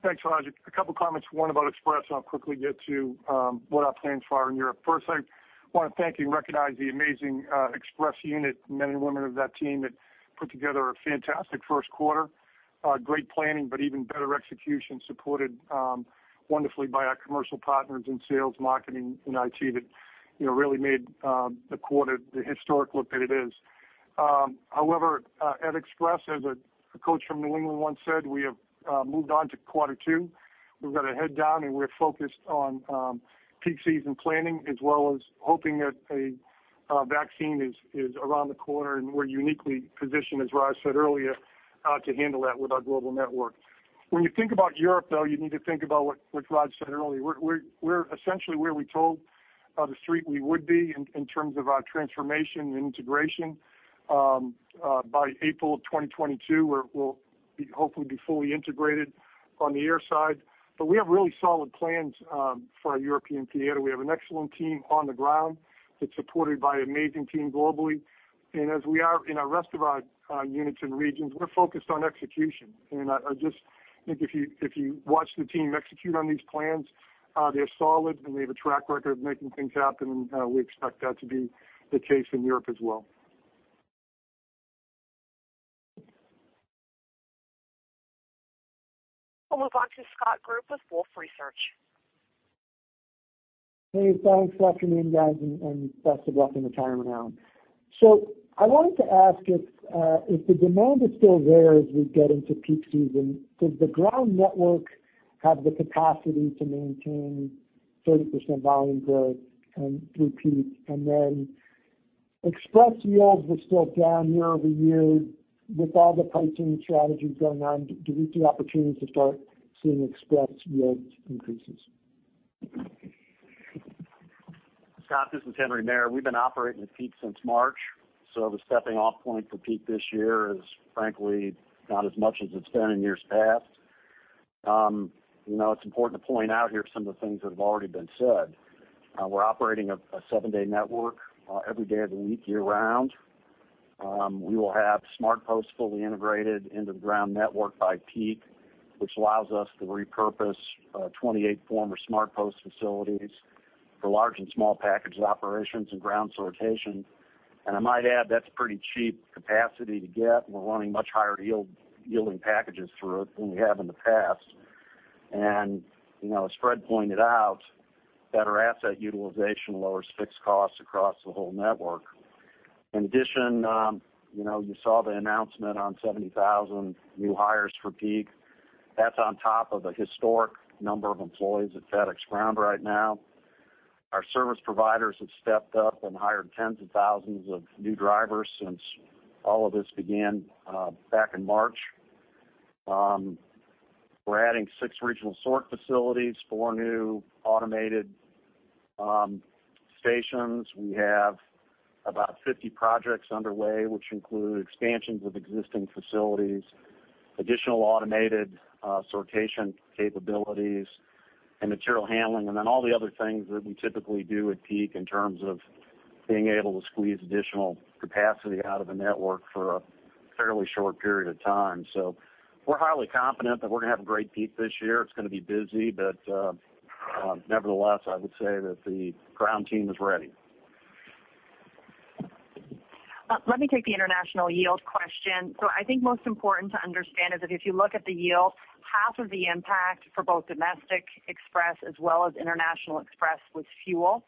Thanks, Raj. A couple of comments, one about Express. I'll quickly get to what our plans are in Europe. First, I want to thank you and recognize the amazing Express unit, the men and women of that team that put together a fantastic first quarter. Great planning, even better execution, supported wonderfully by our commercial partners in sales, marketing, and IT that really made the quarter the historic look that it is. However, at Express, as a coach from New England once said, we have moved on to quarter two. We've got our head down, we're focused on peak season planning, as well as hoping that a vaccine is around the corner, we're uniquely positioned, as Raj said earlier, to handle that with our global network. When you think about Europe, though, you need to think about what Raj said earlier. We're essentially where we told The Street we would be in terms of our transformation and integration. By April 2022, we'll hopefully be fully integrated on the air side. We have really solid plans for our European theater. We have an excellent team on the ground that's supported by an amazing team globally. As we are in our rest of our units and regions, we're focused on execution. I just think if you watch the team execute on these plans, they're solid, and we have a track record of making things happen, and we expect that to be the case in Europe as well. We'll move on to Scott Group with Wolfe Research. Hey, thanks. Good afternoon, guys, and best of luck in retirement, Alan. I wanted to ask if the demand is still there as we get into peak season, does the Ground network have the capacity to maintain 30% volume growth through peak? Express yields were still down year-over-year. With all the pricing strategies going on, do we see opportunities to start seeing Express yields increases? Scott, this is Henry Maier. We've been operating at peak since March. The stepping-off point for peak this year is frankly not as much as it's been in years past. It's important to point out here some of the things that have already been said. We're operating a seven-day network every day of the week year-round. We will have SmartPost fully integrated into the ground network by peak, which allows us to repurpose 28 former SmartPost facilities for large and small package operations and ground sortation. I might add, that's pretty cheap capacity to get, and we're running much higher yielding packages through it than we have in the past. As Fred pointed out, better asset utilization lowers fixed costs across the whole network. In addition, you saw the announcement on 70,000 new hires for peak. That's on top of a historic number of employees at FedEx Ground right now. Our service providers have stepped up and hired tens of thousands of new drivers since all of this began back in March. We're adding six regional sort facilities, four new automated stations. We have about 50 projects underway, which include expansions of existing facilities, additional automated sortation capabilities, and material handling, and then all the other things that we typically do at peak in terms of being able to squeeze additional capacity out of a network for a fairly short period of time. We're highly confident that we're going to have a great peak this year. It's going to be busy, but nevertheless, I would say that the Ground team is ready. Let me take the international yield question. I think most important to understand is that if you look at the yield, half of the impact for both Domestic Express as well as International Express was fuel.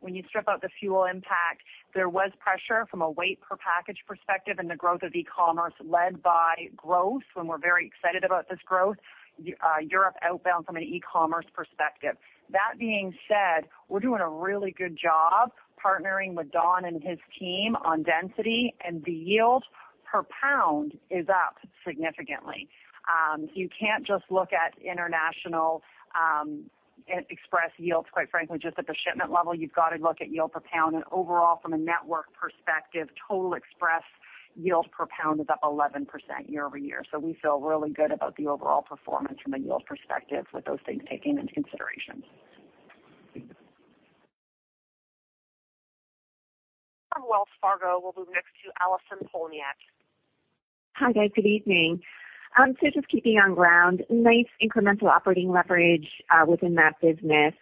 When you strip out the fuel impact, there was pressure from a weight per package perspective and the growth of e-commerce led by growth, and we're very excited about this growth, Europe outbound from an e-commerce perspective. That being said, we're doing a really good job partnering with Don and his team on density, and the yield per pound is up significantly. You can't just look at International Express yields, quite frankly, just at the shipment level. You've got to look at yield per pound and overall from a network perspective, total Express yield per pound is up 11% year-over-year. We feel really good about the overall performance from a yield perspective with those things taken into consideration. From Wells Fargo, we'll move next to Allison Poliniak. Hi, guys. Good evening. Just keeping on FedEx Ground, nice incremental operating leverage within that business.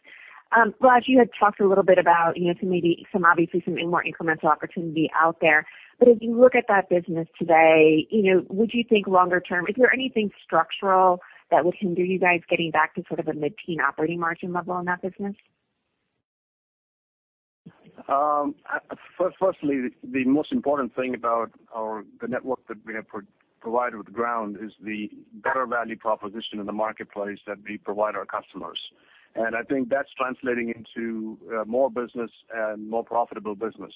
Raj, you had talked a little bit about maybe obviously some more incremental opportunity out there. As you look at that business today, would you think longer term, is there anything structural that we can do you guys getting back to sort of a mid-teen operating margin level in that business? Firstly, the most important thing about the network that we have provided with Ground is the better value proposition in the marketplace that we provide our customers. I think that's translating into more business and more profitable business.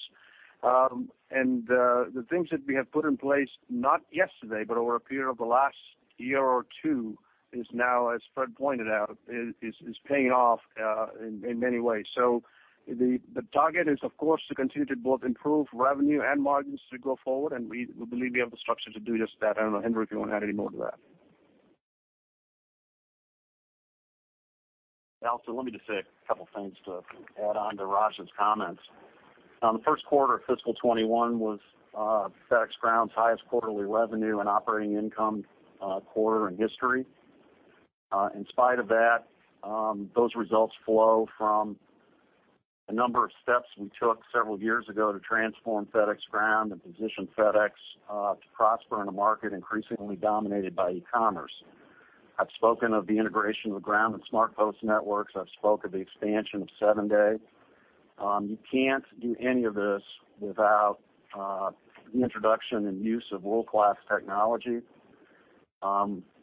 The things that we have put in place, not yesterday, but over a period of the last year or two, is now, as Fred pointed out, is paying off in many ways. The target is, of course, to continue to both improve revenue and margins to go forward, and we believe we have the structure to do just that. I don't know, Henry, if you want to add any more to that. Allison, let me just say a couple things to add on to Raj's comments. The first quarter of FY 2021 was FedEx Ground's highest quarterly revenue and operating income quarter in history. In spite of that, those results flow from a number of steps we took several years ago to transform FedEx Ground and position FedEx to prosper in a market increasingly dominated by e-commerce. I've spoken of the integration of Ground and SmartPost networks. I've spoke of the expansion of seven-day. You can't do any of this without the introduction and use of world-class technology.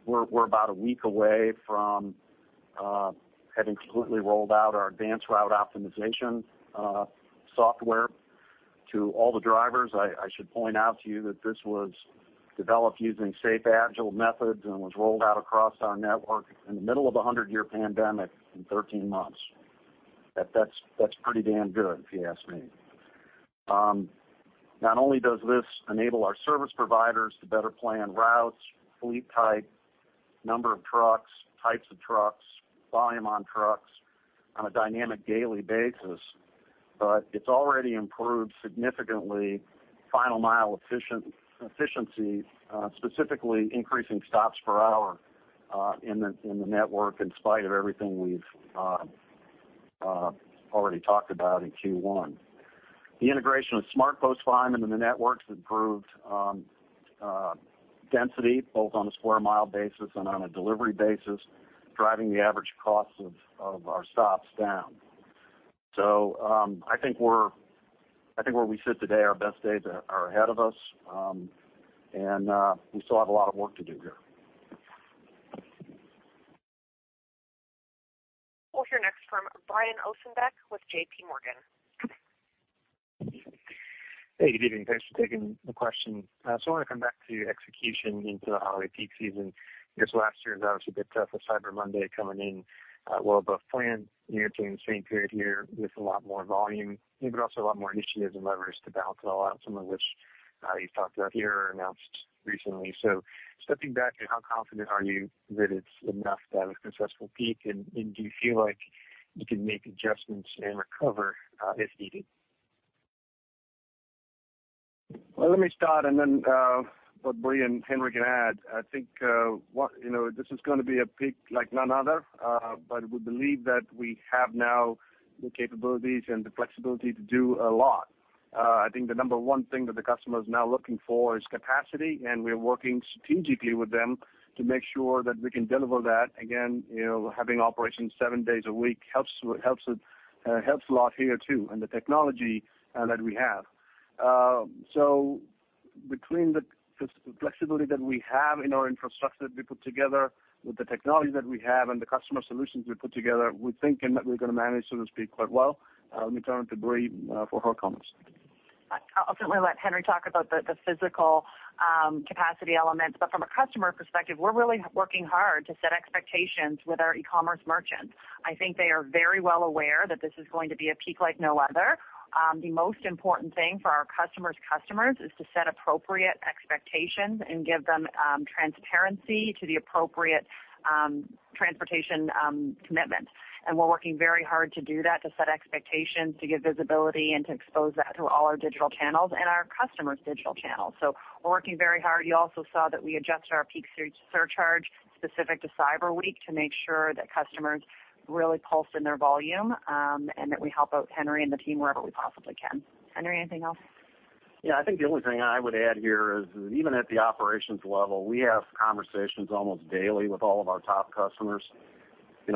We're about a week away from having completely rolled out our advanced route optimization software to all the drivers. I should point out to you that this was developed using SAFe Agile methods and was rolled out across our network in the middle of a 100-year pandemic in 13 months. That's pretty damn good, if you ask me. Not only does this enable our service providers to better plan routes, fleet type, number of trucks, types of trucks, volume on trucks on a dynamic daily basis, but it's already improved significantly final mile efficiency, specifically increasing stops per hour in the network, in spite of everything we've already talked about in Q1. The integration of SmartPost volume into the network's improved density, both on a square mile basis and on a delivery basis, driving the average cost of our stops down. I think where we sit today, our best days are ahead of us. We still have a lot of work to do here. We'll hear next from Brian Ossenbeck with JPMorgan. Hey, good evening. Thanks for taking the question. I want to come back to execution into the holiday peak season. I guess last year was obviously a bit tough with Cyber Monday coming in well above plan. You're entering the same period here with a lot more volume, but also a lot more initiatives and levers to balance it all out, some of which you've talked about here or announced recently. Stepping back, how confident are you that it's enough to have a successful peak? Do you feel like you can make adjustments and recover if needed? Well, let me start and then what Brie and Henry can add. I think this is going to be a peak like none other. We believe that we have now the capabilities and the flexibility to do a lot. I think the number one thing that the customer is now looking for is capacity, and we're working strategically with them to make sure that we can deliver that. Again, having operations seven days a week helps a lot here too, and the technology that we have. Between the flexibility that we have in our infrastructure that we put together with the technology that we have and the customer solutions we put together, we're thinking that we're going to manage, so to speak, quite well. Let me turn it to Brie for her comments. I'll certainly let Henry talk about the physical capacity elements. From a customer perspective, we're really working hard to set expectations with our e-commerce merchants. I think they are very well aware that this is going to be a peak like no other. The most important thing for our customers' customers is to set appropriate expectations and give them transparency to the appropriate transportation commitment. We're working very hard to do that, to set expectations, to give visibility, and to expose that to all our digital channels and our customers' digital channels. We're working very hard. You also saw that we adjusted our peak surcharge specific to Cyber Week to make sure that customers really pulse in their volume, and that we help out Henry and the team wherever we possibly can. Henry, anything else? Yeah. I think the only thing I would add here is even at the operations level, we have conversations almost daily with all of our top customers.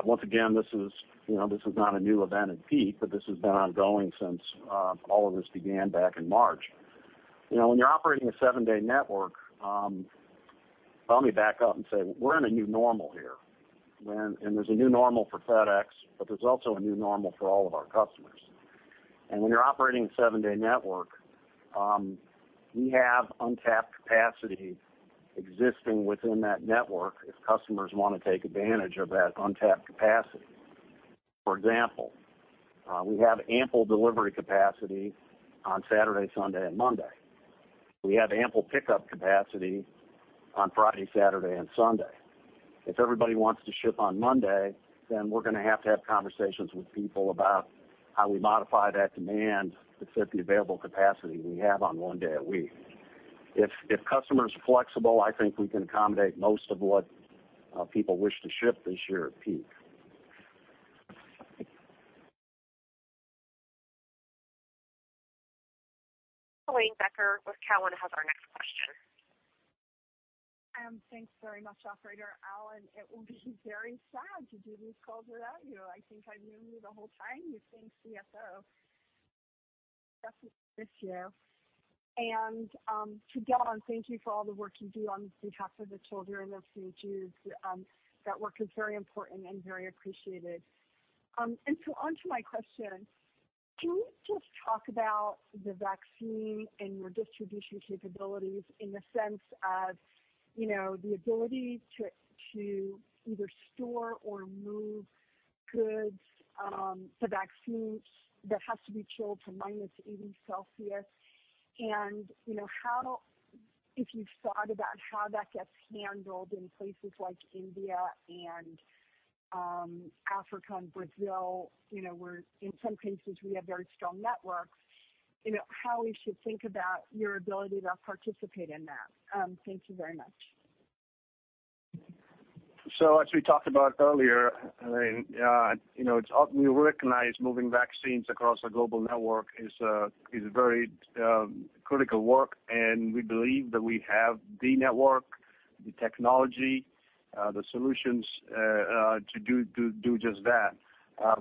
Once again, this is not a new event at peak, but this has been ongoing since all of this began back in March. Let me back up and say we're in a new normal here. There's a new normal for FedEx, but there's also a new normal for all of our customers. When you're operating a seven-day network, we have untapped capacity existing within that network if customers want to take advantage of that untapped capacity. For example, we have ample delivery capacity on Saturday, Sunday, and Monday. We have ample pickup capacity on Friday, Saturday, and Sunday. If everybody wants to ship on Monday, we're going to have to have conversations with people about how we modify that demand to fit the available capacity we have on one day a week. If customers are flexible, I think we can accommodate most of what people wish to ship this year at peak. Helane Becker with Cowen has our next question. Thanks very much, operator. Alan, it will be very sad to do these calls without you. I think I knew you the whole time you've been CFO. Definitely miss you. To Don, thank you for all the work you do on behalf of the children of St. Jude. That work is very important and very appreciated. On to my question. Can we just talk about the vaccine and your distribution capabilities in the sense of the ability to either store or move goods, the vaccine that has to be chilled to -80 degrees Celsius. If you've thought about how that gets handled in places like India and Africa and Brazil, where in some cases we have very strong networks, how we should think about your ability to participate in that. Thank you very much. As we talked about earlier, we recognize moving vaccines across a global network is very critical work, and we believe that we have the network, the technology, the solutions to do just that.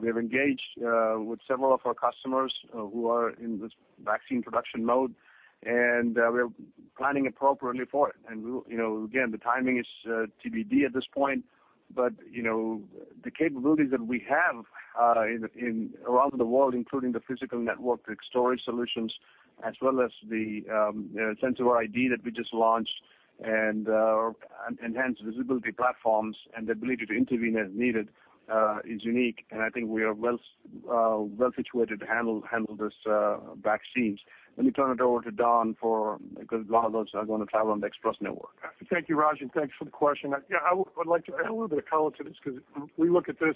We have engaged with several of our customers who are in this vaccine production mode, and we are planning appropriately for it. Again, the timing is TBD at this point, but the capabilities that we have around the world, including the physical network, the storage solutions, as well as the SenseAware ID that we just launched and our enhanced visibility platforms and the ability to intervene as needed, is unique. I think we are well situated to handle these vaccines. Let me turn it over to Don, because a lot of those are going to travel on the Express network. Thank you, Raj, and thanks for the question. Yeah, I would like to add a little bit of color to this because we look at this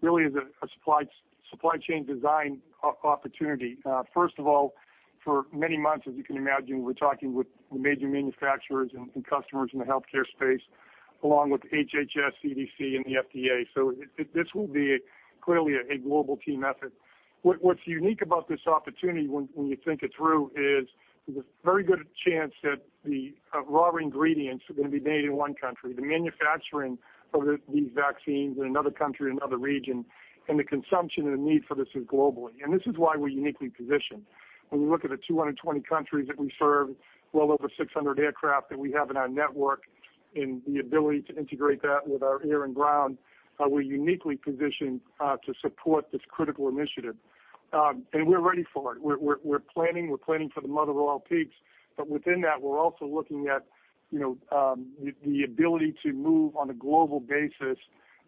really as a supply chain design opportunity. First of all, for many months, as you can imagine, we're talking with the major manufacturers and customers in the healthcare space, along with HHS, CDC, and the FDA. What's unique about this opportunity when you think it through is there's a very good chance that the raw ingredients are going to be made in one country, the manufacturing of these vaccines in another country or another region, and the consumption and the need for this is globally. This is why we're uniquely positioned. When we look at the 220 countries that we serve, well over 600 aircraft that we have in our network, and the ability to integrate that with our air and ground, we're uniquely positioned to support this critical initiative. We're ready for it. We're planning for the mother of all peaks, but within that, we're also looking at the ability to move on a global basis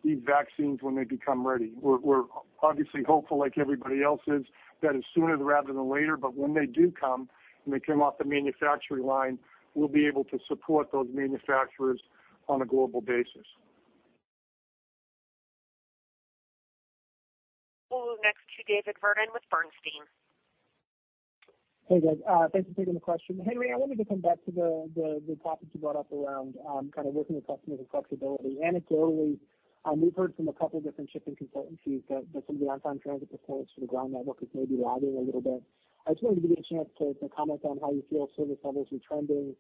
these vaccines when they become ready. We're obviously hopeful, like everybody else is, that it's sooner rather than later, but when they do come, when they come off the manufacturing line, we'll be able to support those manufacturers on a global basis. We'll move next to David Vernon with Bernstein. Hey, guys. Thanks for taking the question. Henry, I wanted to come back to the topic you brought up around kind of working with customers and flexibility. Anecdotally, we've heard from a couple of different shipping consultancies that some of the on-time transit performance for the Ground network is maybe lagging a little bit. I just wanted to give you a chance to comment on how you feel service levels are trending.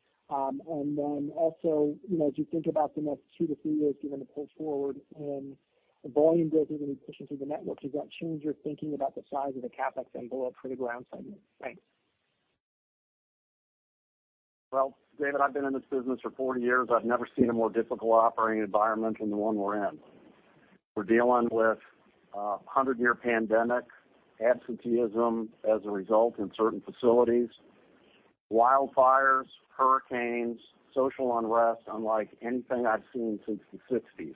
Also, as you think about the next two to three years given the push forward and the volume growth you're going to be pushing through the network, does that change your thinking about the size of the CapEx envelope for the Ground segment? Thanks. Well, David, I've been in this business for 40 years. I've never seen a more difficult operating environment than the one we're in. We're dealing with a 100-year pandemic, absenteeism as a result in certain facilities, wildfires, hurricanes, social unrest unlike anything I've seen since the '60s.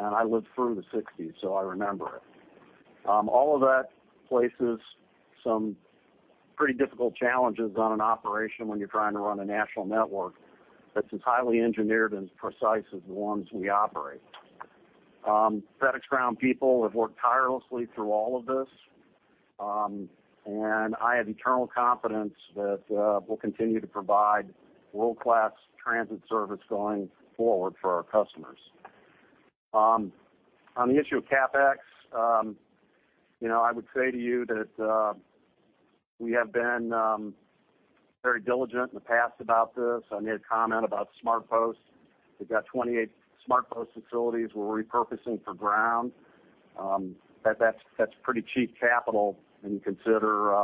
I lived through the '60s, so I remember it. All of that places some pretty difficult challenges on an operation when you're trying to run a national network that's as highly engineered and precise as the ones we operate. FedEx Ground people have worked tirelessly through all of this. I have eternal confidence that we'll continue to provide world-class transit service going forward for our customers. On the issue of CapEx, I would say to you that we have been very diligent in the past about this. I made a comment about SmartPost. We've got 28 SmartPost facilities we're repurposing for Ground. That's pretty cheap capital when you consider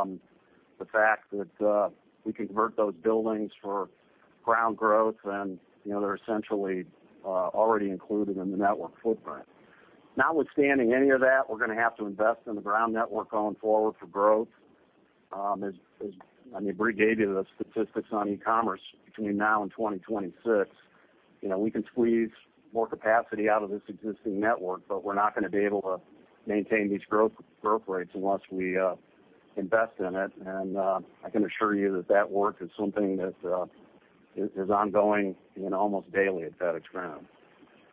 the fact that we convert those buildings for Ground growth and they're essentially already included in the network footprint. Notwithstanding any of that, we're going to have to invest in the Ground network going forward for growth. I mean, Brie gave you the statistics on e-commerce between now and 2026. We can squeeze more capacity out of this existing network, but we're not going to be able to maintain these growth rates unless we invest in it. I can assure you that work is something that is ongoing and almost daily at FedEx Ground.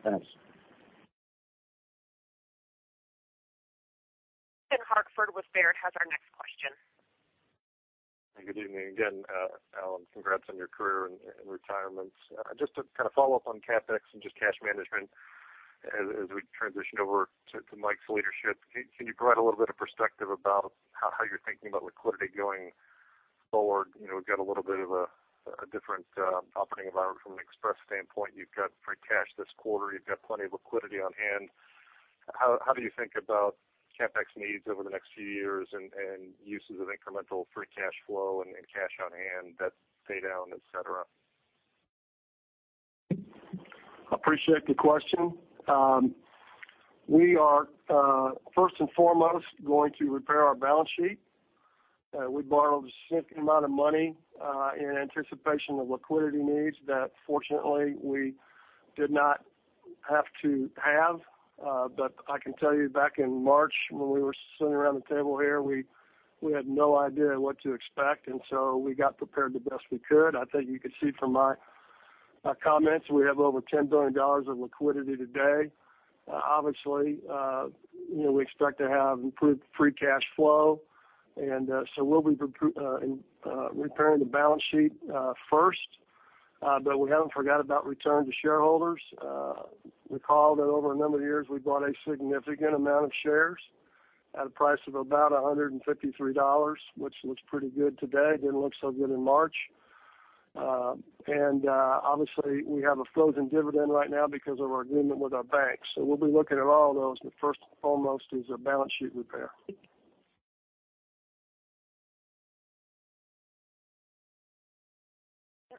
Thanks. Ben Hartford with Baird has our next question. Good evening again. Alan, congrats on your career and retirement. Just to kind of follow up on CapEx and just cash management as we transition over to Mike's leadership, can you provide a little bit of perspective about how you're thinking about liquidity going forward? We've got a little bit of a different operating environment from an Express standpoint. You've got free cash this quarter. You've got plenty of liquidity on hand. How do you think about CapEx needs over the next few years and uses of incremental free cash flow and cash on hand, debt paydown, et cetera? Appreciate the question. We are first and foremost going to repair our balance sheet. We borrowed a significant amount of money in anticipation of liquidity needs that fortunately we did not Have to have. I can tell you back in March when we were sitting around the table here, we had no idea what to expect. We got prepared the best we could. I think you could see from my comments, we have over $10 billion of liquidity today. Obviously, we expect to have improved free cash flow. We'll be repairing the balance sheet first. We haven't forgot about return to shareholders. Recall that over a number of years, we bought a significant amount of shares at a price of about $153, which looks pretty good today. Didn't look so good in March. Obviously, we have a frozen dividend right now because of our agreement with our banks. We'll be looking at all those. First and foremost is a balance sheet repair.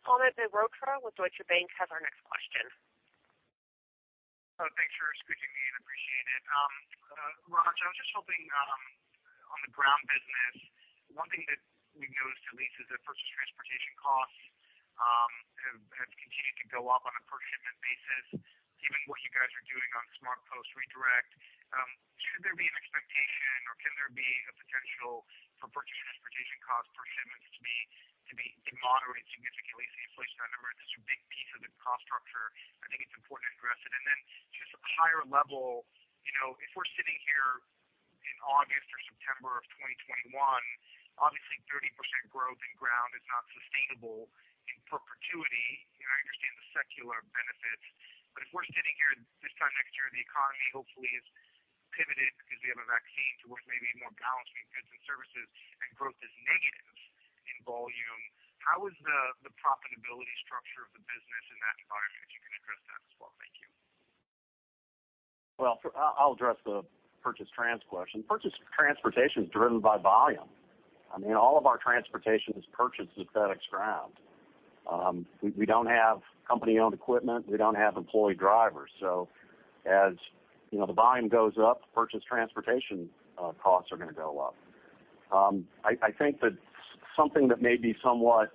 Mehrotra with Deutsche Bank has our next question. Thanks for squeezing me in. Appreciate it. Raj, I was just hoping, on the FedEx Ground business, one thing that we've noticed at least is that purchase transportation costs have continued to go up on a per-shipment basis. Given what you guys are doing on FedEx SmartPost redirect, should there be an expectation or can there be a potential for purchase transportation cost per shipments to be moderated significantly? Inflation, I remember, is a big piece of the cost structure. I think it's important to address it. Then just at the higher level, if we're sitting here in August or September of 2021, obviously 30% growth in FedEx Ground is not sustainable in perpetuity. I understand the secular benefits. If we're sitting here this time next year and the economy hopefully has pivoted because we have a vaccine towards maybe a more balance between goods and services and growth is negative in volume, how is the profitability structure of the business in that environment? If you can address that as well. Thank you. I'll address the purchase trans question. Purchase transportation is driven by volume. All of our transportation is purchased as FedEx Ground. We don't have company-owned equipment. We don't have employee drivers. As the volume goes up, purchase transportation costs are going to go up. I think that something that may be somewhat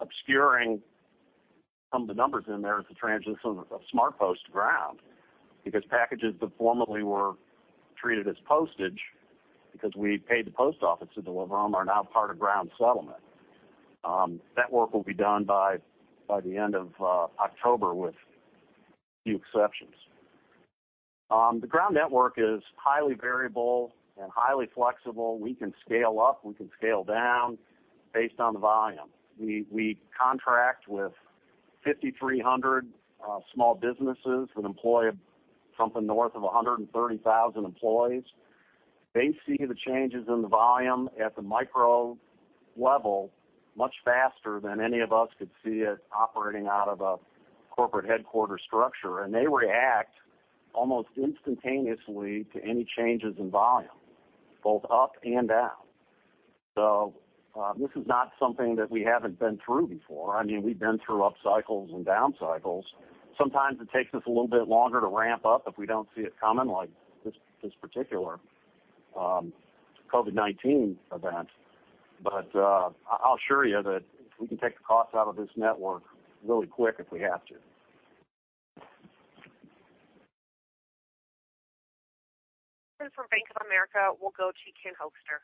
obscuring some of the numbers in there is the transition of SmartPost to Ground. Because packages that formerly were treated as postage because we paid the post office to deliver them are now part of Ground settlement. That work will be done by the end of October with few exceptions. The Ground network is highly variable and highly flexible. We can scale up, we can scale down based on the volume. We contract with 5,300 small businesses that employ something north of 130,000 employees. They see the changes in the volume at the micro level much faster than any of us could see it operating out of a corporate headquarter structure. They react almost instantaneously to any changes in volume, both up and down. This is not something that we haven't been through before. We've been through up cycles and down cycles. Sometimes it takes us a little bit longer to ramp up if we don't see it coming like this particular COVID-19 event. I'll assure you that we can take the cost out of this network really quick if we have to. Next from Bank of America, we'll go to Ken Hoexter.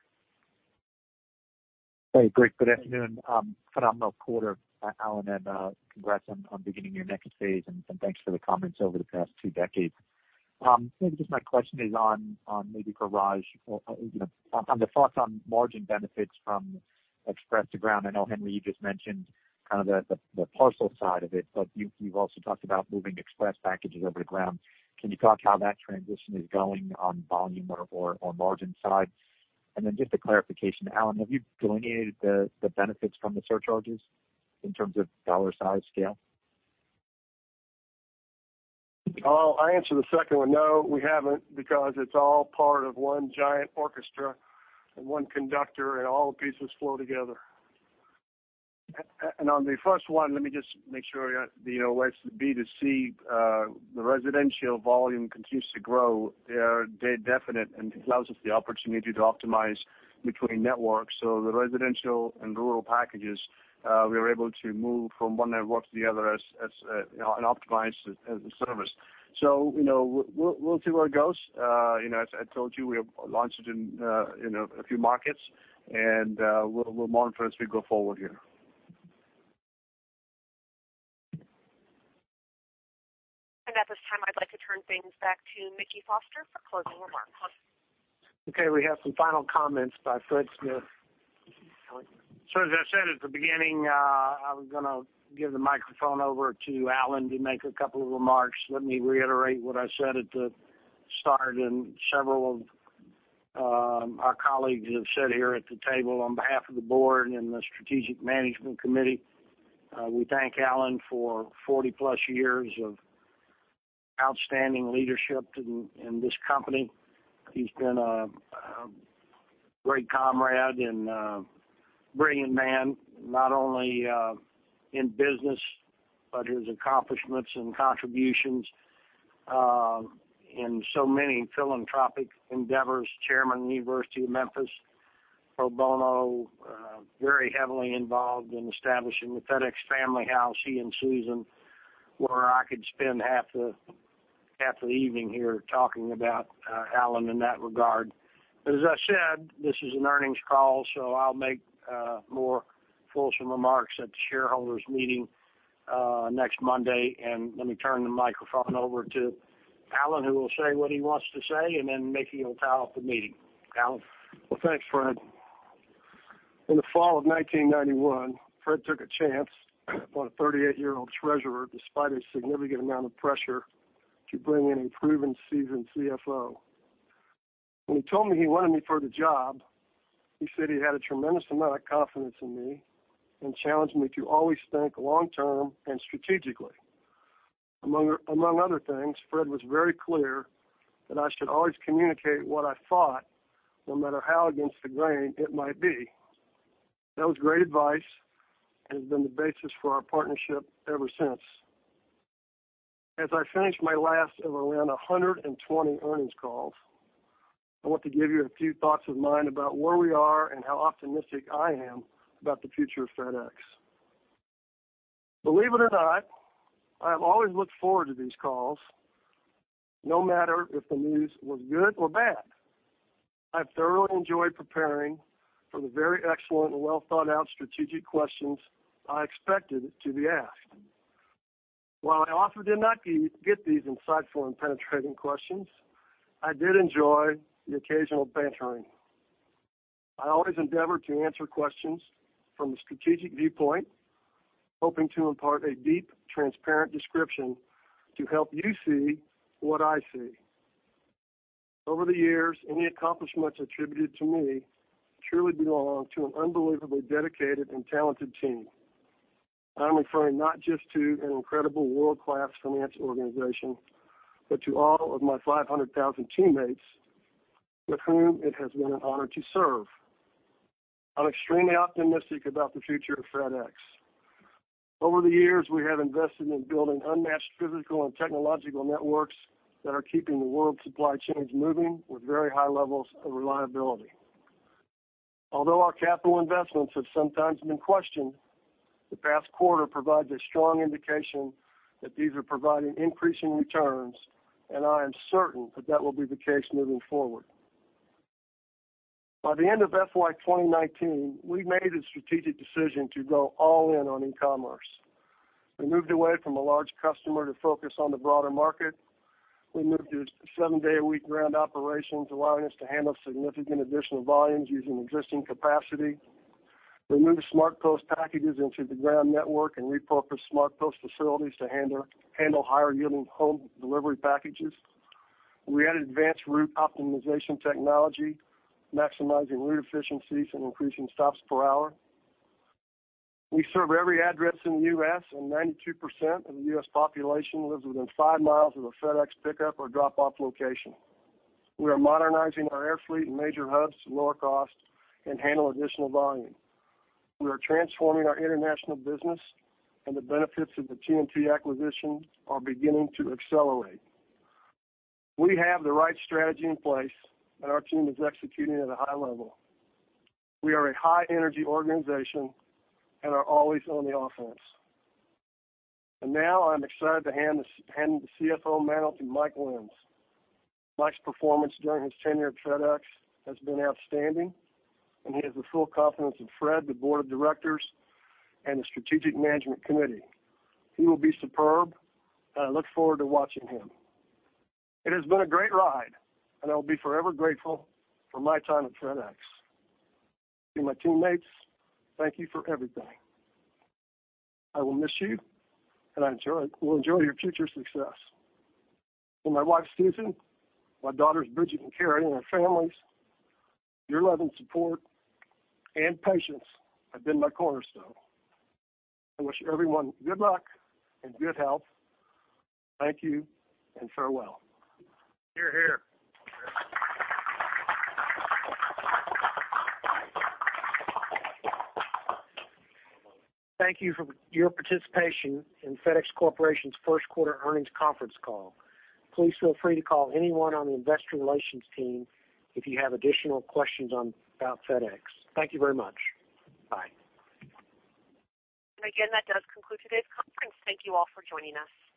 Hey, great. Good afternoon. Phenomenal quarter, Alan, and congrats on beginning your next phase and thanks for the comments over the past two decades. Maybe just my question is on maybe for Raj, on the thoughts on margin benefits from Express to Ground. I know, Henry, you just mentioned kind of the parcel side of it, but you've also talked about moving Express packages over to Ground. Can you talk how that transition is going on volume or margin side? Then just a clarification, Alan, have you delineated the benefits from the surcharges in terms of dollar size scale? Oh, I answer the second one. No, we haven't, because it's all part of one giant orchestra and one conductor and all the pieces flow together. On the first one, let me just make sure, the B2C, the residential volume continues to grow. They're definite, and it allows us the opportunity to optimize between networks. The residential and rural packages, we are able to move from one network to the other and optimize the service. We'll see where it goes. As I told you, we have launched it in a few markets and we'll monitor as we go forward here. At this time, I'd like to turn things back to Mickey Foster for closing remarks. Okay, we have some final comments by Fred Smith. Alan. As I said at the beginning, I was going to give the microphone over to Alan to make a couple of remarks. Let me reiterate what I said at the start, and several of our colleagues have said here at the table on behalf of the board and the Strategic Management Committee, we thank Alan for 40+ years of outstanding leadership in this company. He's been a great comrade and a brilliant man. Not only in business, but his accomplishments and contributions in so many philanthropic endeavors, chairman of the University of Memphis Pro bono, very heavily involved in establishing the FedExFamilyHouse, he and Susan, where I could spend half the evening here talking about Alan in that regard. As I said, this is an earnings call, so I'll make more fulsome remarks at the shareholders' meeting next Monday. Let me turn the microphone over to Alan, who will say what he wants to say, and then Mickey will tie up the meeting. Alan? Well, thanks, Fred. In the fall of 1991, Fred took a chance on a 38-year-old treasurer, despite a significant amount of pressure to bring in a proven, seasoned CFO. When he told me he wanted me for the job, he said he had a tremendous amount of confidence in me and challenged me to always think long-term and strategically. Among other things, Fred was very clear that I should always communicate what I thought, no matter how against the grain it might be. That was great advice and has been the basis for our partnership ever since. As I finish my last of around 120 earnings calls, I want to give you a few thoughts of mine about where we are and how optimistic I am about the future of FedEx. Believe it or not, I have always looked forward to these calls, no matter if the news was good or bad. I've thoroughly enjoyed preparing for the very excellent and well-thought-out strategic questions I expected to be asked. While I often did not get these insightful and penetrating questions, I did enjoy the occasional bantering. I always endeavored to answer questions from the strategic viewpoint, hoping to impart a deep, transparent description to help you see what I see. Over the years, any accomplishments attributed to me truly belong to an unbelievably dedicated and talented team. I'm referring not just to an incredible world-class finance organization, but to all of my 500,000 teammates with whom it has been an honor to serve. I'm extremely optimistic about the future of FedEx. Over the years, we have invested in building unmatched physical and technological networks that are keeping the world supply chains moving with very high levels of reliability. Although our capital investments have sometimes been questioned, the past quarter provides a strong indication that these are providing increasing returns, and I am certain that that will be the case moving forward. By the end of FY 2019, we made a strategic decision to go all in on e-commerce. We moved away from a large customer to focus on the broader market. We moved to seven-day-a-week Ground operations, allowing us to handle significant additional volumes using existing capacity. We moved SmartPost packages into the Ground network and repurposed SmartPost facilities to handle higher-yielding home delivery packages. We added advanced route optimization technology, maximizing route efficiencies and increasing stops per hour. We serve every address in the U.S., and 92% of the U.S. population lives within five miles of a FedEx pickup or drop-off location. We are modernizing our air fleet and major hubs to lower cost and handle additional volume. We are transforming our international business, and the benefits of the TNT acquisition are beginning to accelerate. We have the right strategy in place, and our team is executing at a high level. We are a high-energy organization and are always on the offense. Now I'm excited to hand the CFO mantle to Mike Lenz. Mike's performance during his tenure at FedEx has been outstanding, and he has the full confidence of Fred, the board of directors, and the Strategic Management Committee. He will be superb, and I look forward to watching him. It has been a great ride, and I will be forever grateful for my time at FedEx. To my teammates, thank you for everything. I will miss you, and I will enjoy your future success. To my wife, Susan, my daughters, Bridget and Kerry, and their families, your love and support and patience have been my cornerstone. I wish everyone good luck and good health. Thank you and farewell. Hear, hear. Thank you for your participation in FedEx Corporation's first quarter earnings conference call. Please feel free to call anyone on the investor relations team if you have additional questions about FedEx. Thank you very much. Bye. Again, that does conclude today's conference. Thank you all for joining us.